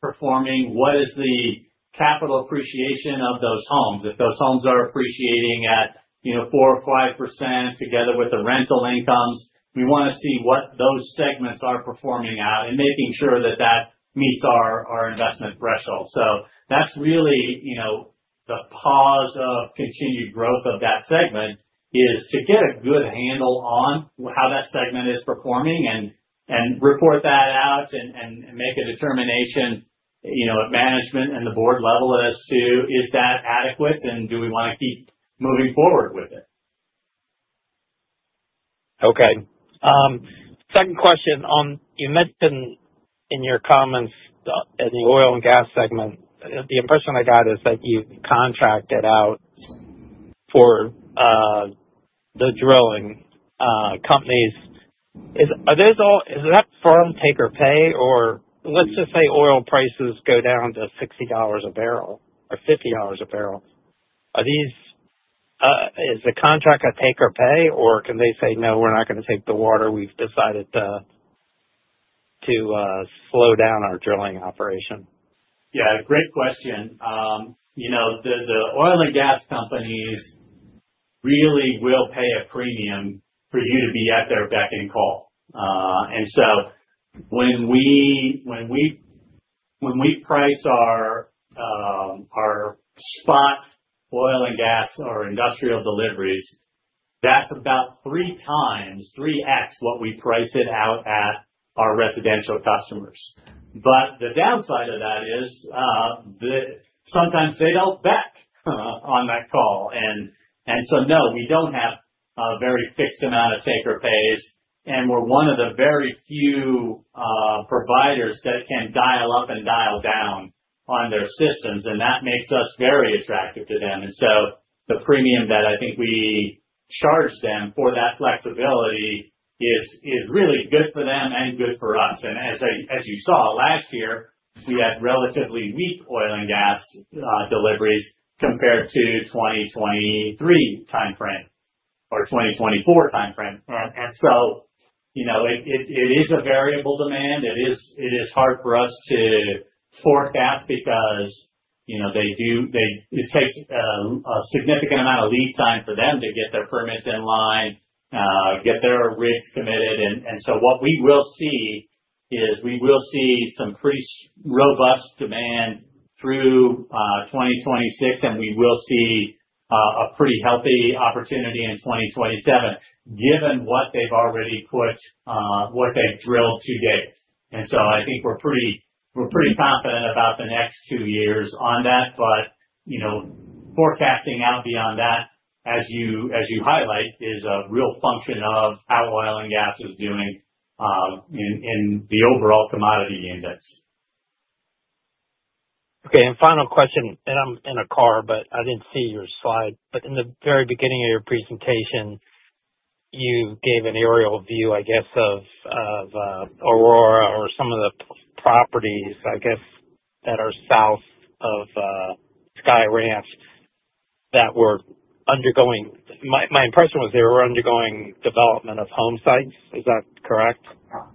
performing? What is the capital appreciation of those homes? If those homes are appreciating at 4% or 5% together with the rental incomes, we want to see what those segments are performing at and making sure that that meets our investment threshold. That's really the pause of continued growth of that segment, is to get a good handle on how that segment is performing and report that out and make a determination at management and the board level as to is that adequate and do we want to keep moving forward with it. Okay. Second question. You mentioned in your comments in the oil and gas segment, the impression I got is that you contracted out for the drilling companies. Is that firm take or pay? Or let's just say oil prices go down to $60 a barrel or $50 a barrel. Is the contract a take or pay, or can they say, "No, we're not going to take the water. We've decided to slow down our drilling operation"? Yeah. Great question. The oil and gas companies really will pay a premium for you to be at their beck and call. When we price our spot oil and gas or industrial deliveries, that's about 3x, 3x, what we price it out at our residential customers. The downside of that is, sometimes they don't bet on that call. No, we don't have a very fixed amount of take or pays, and we're one of the very few providers that can dial up and dial down on their systems, and that makes us very attractive to them. The premium that I think we charge them for that flexibility is really good for them and good for us. As you saw last year, we had relatively weak oil and gas deliveries compared to 2023 timeframe or 2024 timeframe. It is a variable demand. It is hard for us to forecast because it takes a significant amount of lead time for them to get their permits in line, get their rigs committed in. What we will see is, we will see some pretty robust demand through 2026, and we will see a pretty healthy opportunity in 2027 given what they've drilled to date. I think we're pretty confident about the next two years on that. Forecasting out beyond that, as you highlight, is a real function of how oil and gas is doing in the overall commodity index. Okay, final question. I'm in a car, but I didn't see your slide. In the very beginning of your presentation, you gave an aerial view, I guess, of Aurora or some of the properties, I guess, that are south of Sky Ranch that were undergoing development of home sites. My impression was they were undergoing development of home sites. Is that correct?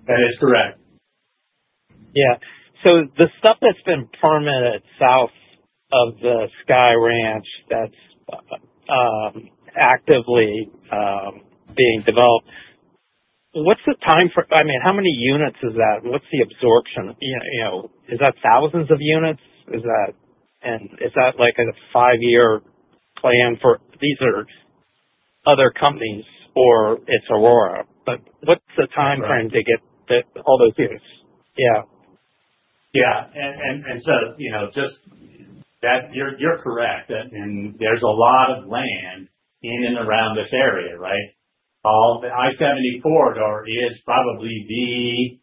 That is correct. Yeah. The stuff that's been permitted south of the Sky Ranch that's actively being developed, what's the time for. How many units is that? What's the absorption? Is that thousands of units? And is that like a five-year plan for. These are other companies, or it's Aurora. But what's the timeframe. That's right. To get all those units? Yeah. Yeah. You're correct. There's a lot of land in and around this area, right? The I-70 corridor is probably the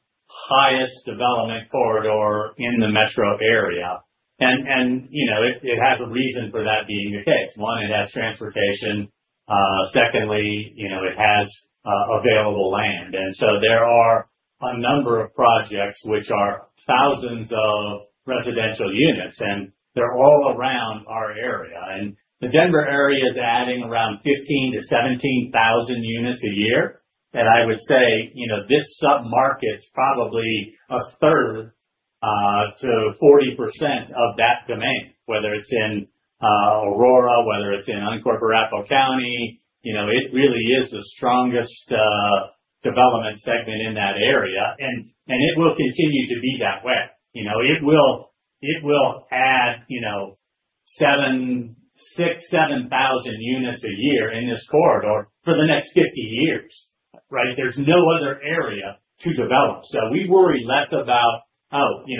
highest development corridor in the metro area. It has a reason for that being the case. One, it has transportation, secondly, it has available land. There are a number of projects which are thousands of residential units, and they're all around our area. The Denver area is adding around 15,000-17,000 units a year. I would say, this sub-market's probably a third to 40% of that demand, whether it's in Aurora, whether it's in Arapahoe County. It really is the strongest development segment in that area, and it will continue to be that way. It will add 6,000-7,000 units a year in this corridor for the next 50 years, right? There's no other area to develop. We worry less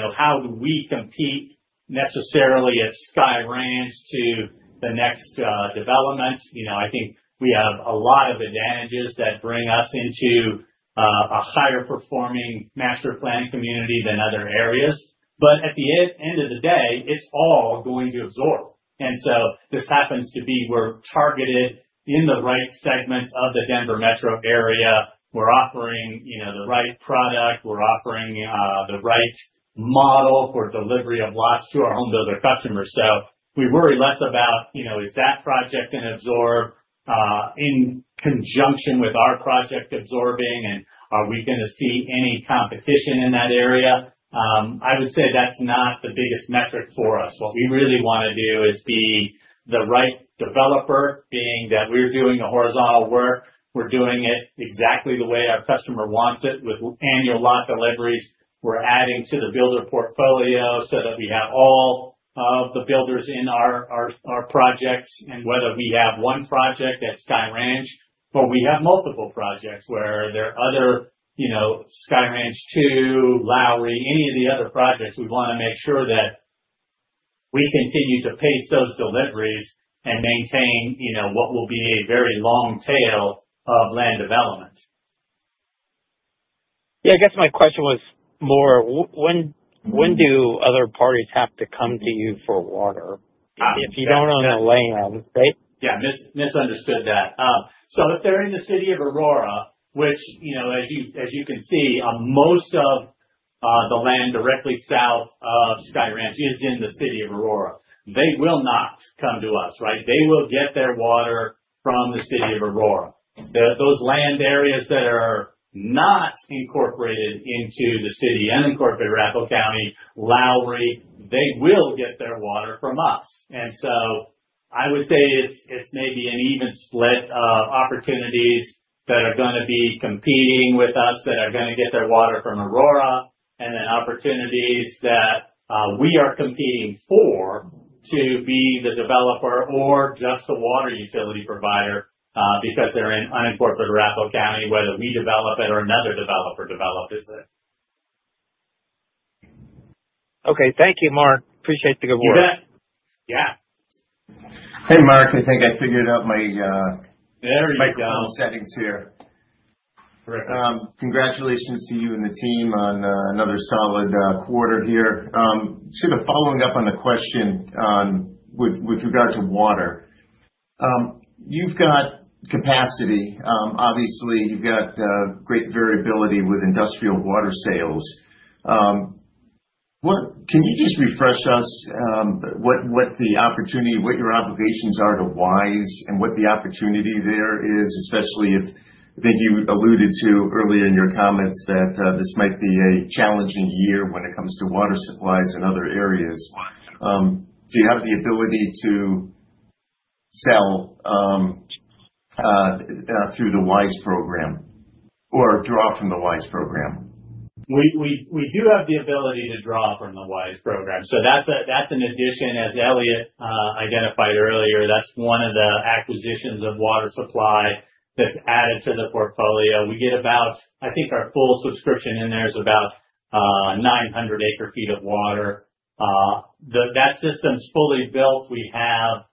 about how do we compete necessarily at Sky Ranch to the next developments. I think we have a lot of advantages that bring us into a higher performing master plan community than other areas. At the end of the day, it's all going to absorb. This happens to be, we're targeted in the right segments of the Denver Metro area. We're offering the right product, we're offering the right model for delivery of lots to our home builder customers. We worry less about, is that project going to absorb in conjunction with our project absorbing, and are we going to see any competition in that area? I would say that's not the biggest metric for us. What we really want to do is be the right developer, being that we're doing the horizontal work, we're doing it exactly the way our customer wants it with annual lot deliveries. We're adding to the builder portfolio so that we have all of the builders in our projects. Whether we have one project at Sky Ranch, or we have multiple projects where there are other, Sky Ranch Two, Lowry, any of the other projects, we want to make sure that we continue to pace those deliveries and maintain what will be a very long tail of land development. Yeah, I guess my question was more, when do other parties have to come to you for water? Okay. If you don't own that land, right? Yeah. Misunderstood that. If they're in the city of Aurora, which as you can see, most of the land directly south of Sky Ranch is in the city of Aurora. They will not come to us, right? They will get their water from the city of Aurora. Those land areas that are not incorporated into the city and unincorporated Arapahoe County, Lowry, they will get their water from us. I would say it's maybe an even split of opportunities that are gonna be competing with us, that are gonna get their water from Aurora, and then opportunities that we are competing for to be the developer or just the water utility provider, because they're in unincorporated Arapahoe County, whether we develop it or another developer develops it. Okay. Thank you, Mark. Appreciate the good work. You bet. Yeah. Hey, Mark. I think I figured out my- There you go.... microphone settings here. Perfect. Congratulations to you and the team on another solid quarter here. Sort of following up on the question with regard to water. You've got capacity. Obviously, you've got great variability with industrial water sales. Can you just refresh us, what your obligations are to WISE and what the opportunity there is? Especially if, I think you alluded to earlier in your comments, that this might be a challenging year when it comes to water supplies in other areas. Do you have the ability to sell through the WISE program or draw from the WISE program? We do have the ability to draw from the WISE program. That's an addition, as Elliot identified earlier, that's one of the acquisitions of water supply that's added to the portfolio. I think our full subscription in there is about 900 acre feet of water. That system's fully built. We have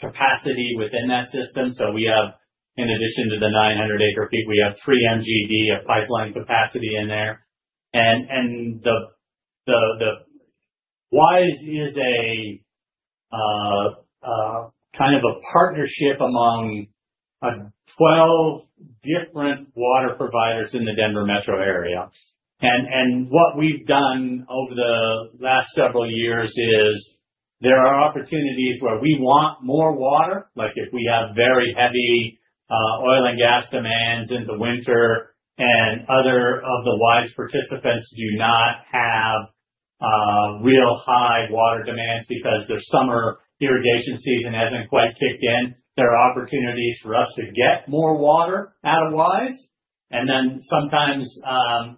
capacity within that system. We have, in addition to the 900 acre feet, we have three MGD of pipeline capacity in there. The WISE is a kind of a partnership among 12 different water providers in the Denver metro area. What we've done over the last several years is, there are opportunities where we want more water, like if we have very heavy oil and gas demands in the winter, and other of the WISE participants do not have real high water demands because their summer irrigation season hasn't quite kicked in. There are opportunities for us to get more water out of WISE. Then sometimes,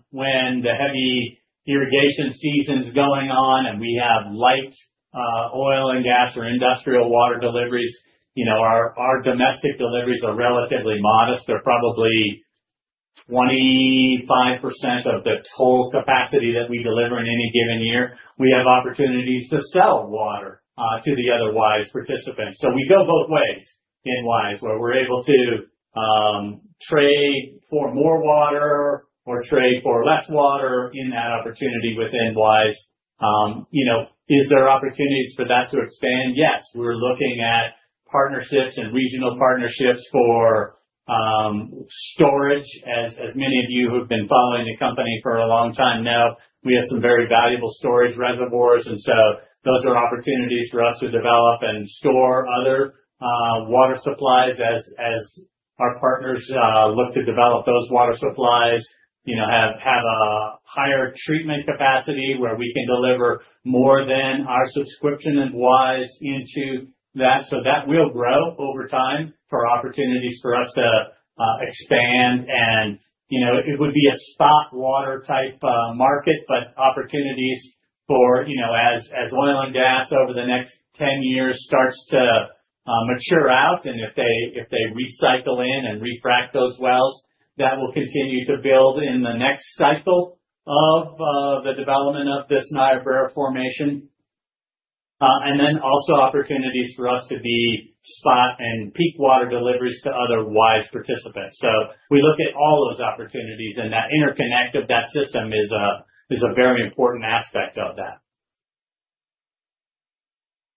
when the heavy irrigation season's going on and we have light oil and gas or industrial water deliveries, our domestic deliveries are relatively modest. They're probably 25% of the total capacity that we deliver in any given year. We have opportunities to sell water to the other WISE participants. We go both ways in WISE, where we're able to trade for more water or trade for less water in that opportunity within WISE. Is there opportunities for that to expand? Yes. We're looking at partnerships and regional partnerships for storage. As many of you who've been following the company for a long time know, we have some very valuable storage reservoirs. Those are opportunities for us to develop and store other water supplies as our partners look to develop those water supplies, have a higher treatment capacity where we can deliver more than our subscription of WISE into that. That will grow over time for opportunities for us to expand. It would be a spot water type market, but opportunities for as oil and gas over the next 10 years starts to mature out, and if they recycle in and refrac those wells, that will continue to build in the next cycle of the development of this Niobrara formation. Then also opportunities for us to be spot and peak water deliveries to other WISE participants. We look at all those opportunities, and that interconnect of that system is a very important aspect of that.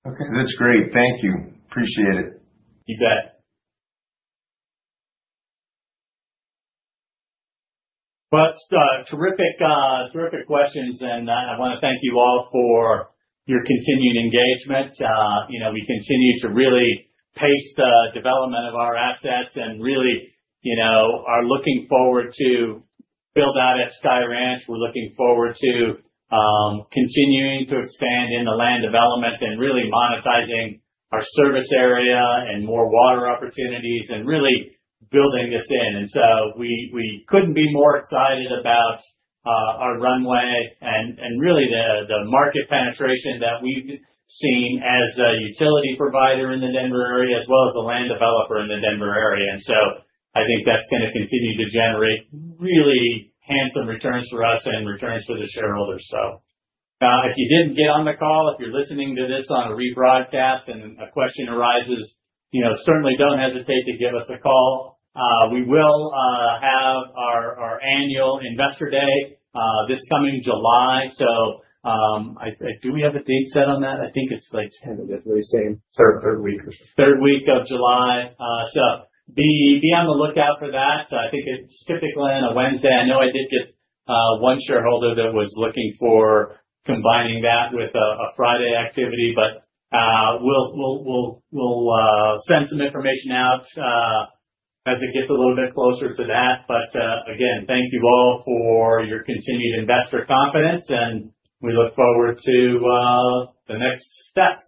Okay. That's great. Thank you. Appreciate it. You bet. Well, terrific questions, and I want to thank you all for your continued engagement. We continue to really pace the development of our assets and really are looking forward to build out at Sky Ranch. We're looking forward to continuing to expand in the land development and really monetizing our service area and more water opportunities and really building this in. We couldn't be more excited about our runway and really the market penetration that we've seen as a utility provider in the Denver area, as well as a land developer in the Denver area. I think that's gonna continue to generate really handsome returns for us and returns for the shareholders. If you didn't get on the call, if you're listening to this on a rebroadcast and a question arises, certainly don't hesitate to give us a call. We will have our annual investor day this coming July. Do we have a date set on that? I think it's like. I believe so. Third week. Third week of July. Be on the lookout for that. I think it's typically on a Wednesday. I know I did get one shareholder that was looking for combining that with a Friday activity, but we'll send some information out as it gets a little bit closer to that. Again, thank you all for your continued investor confidence, and we look forward to the next steps.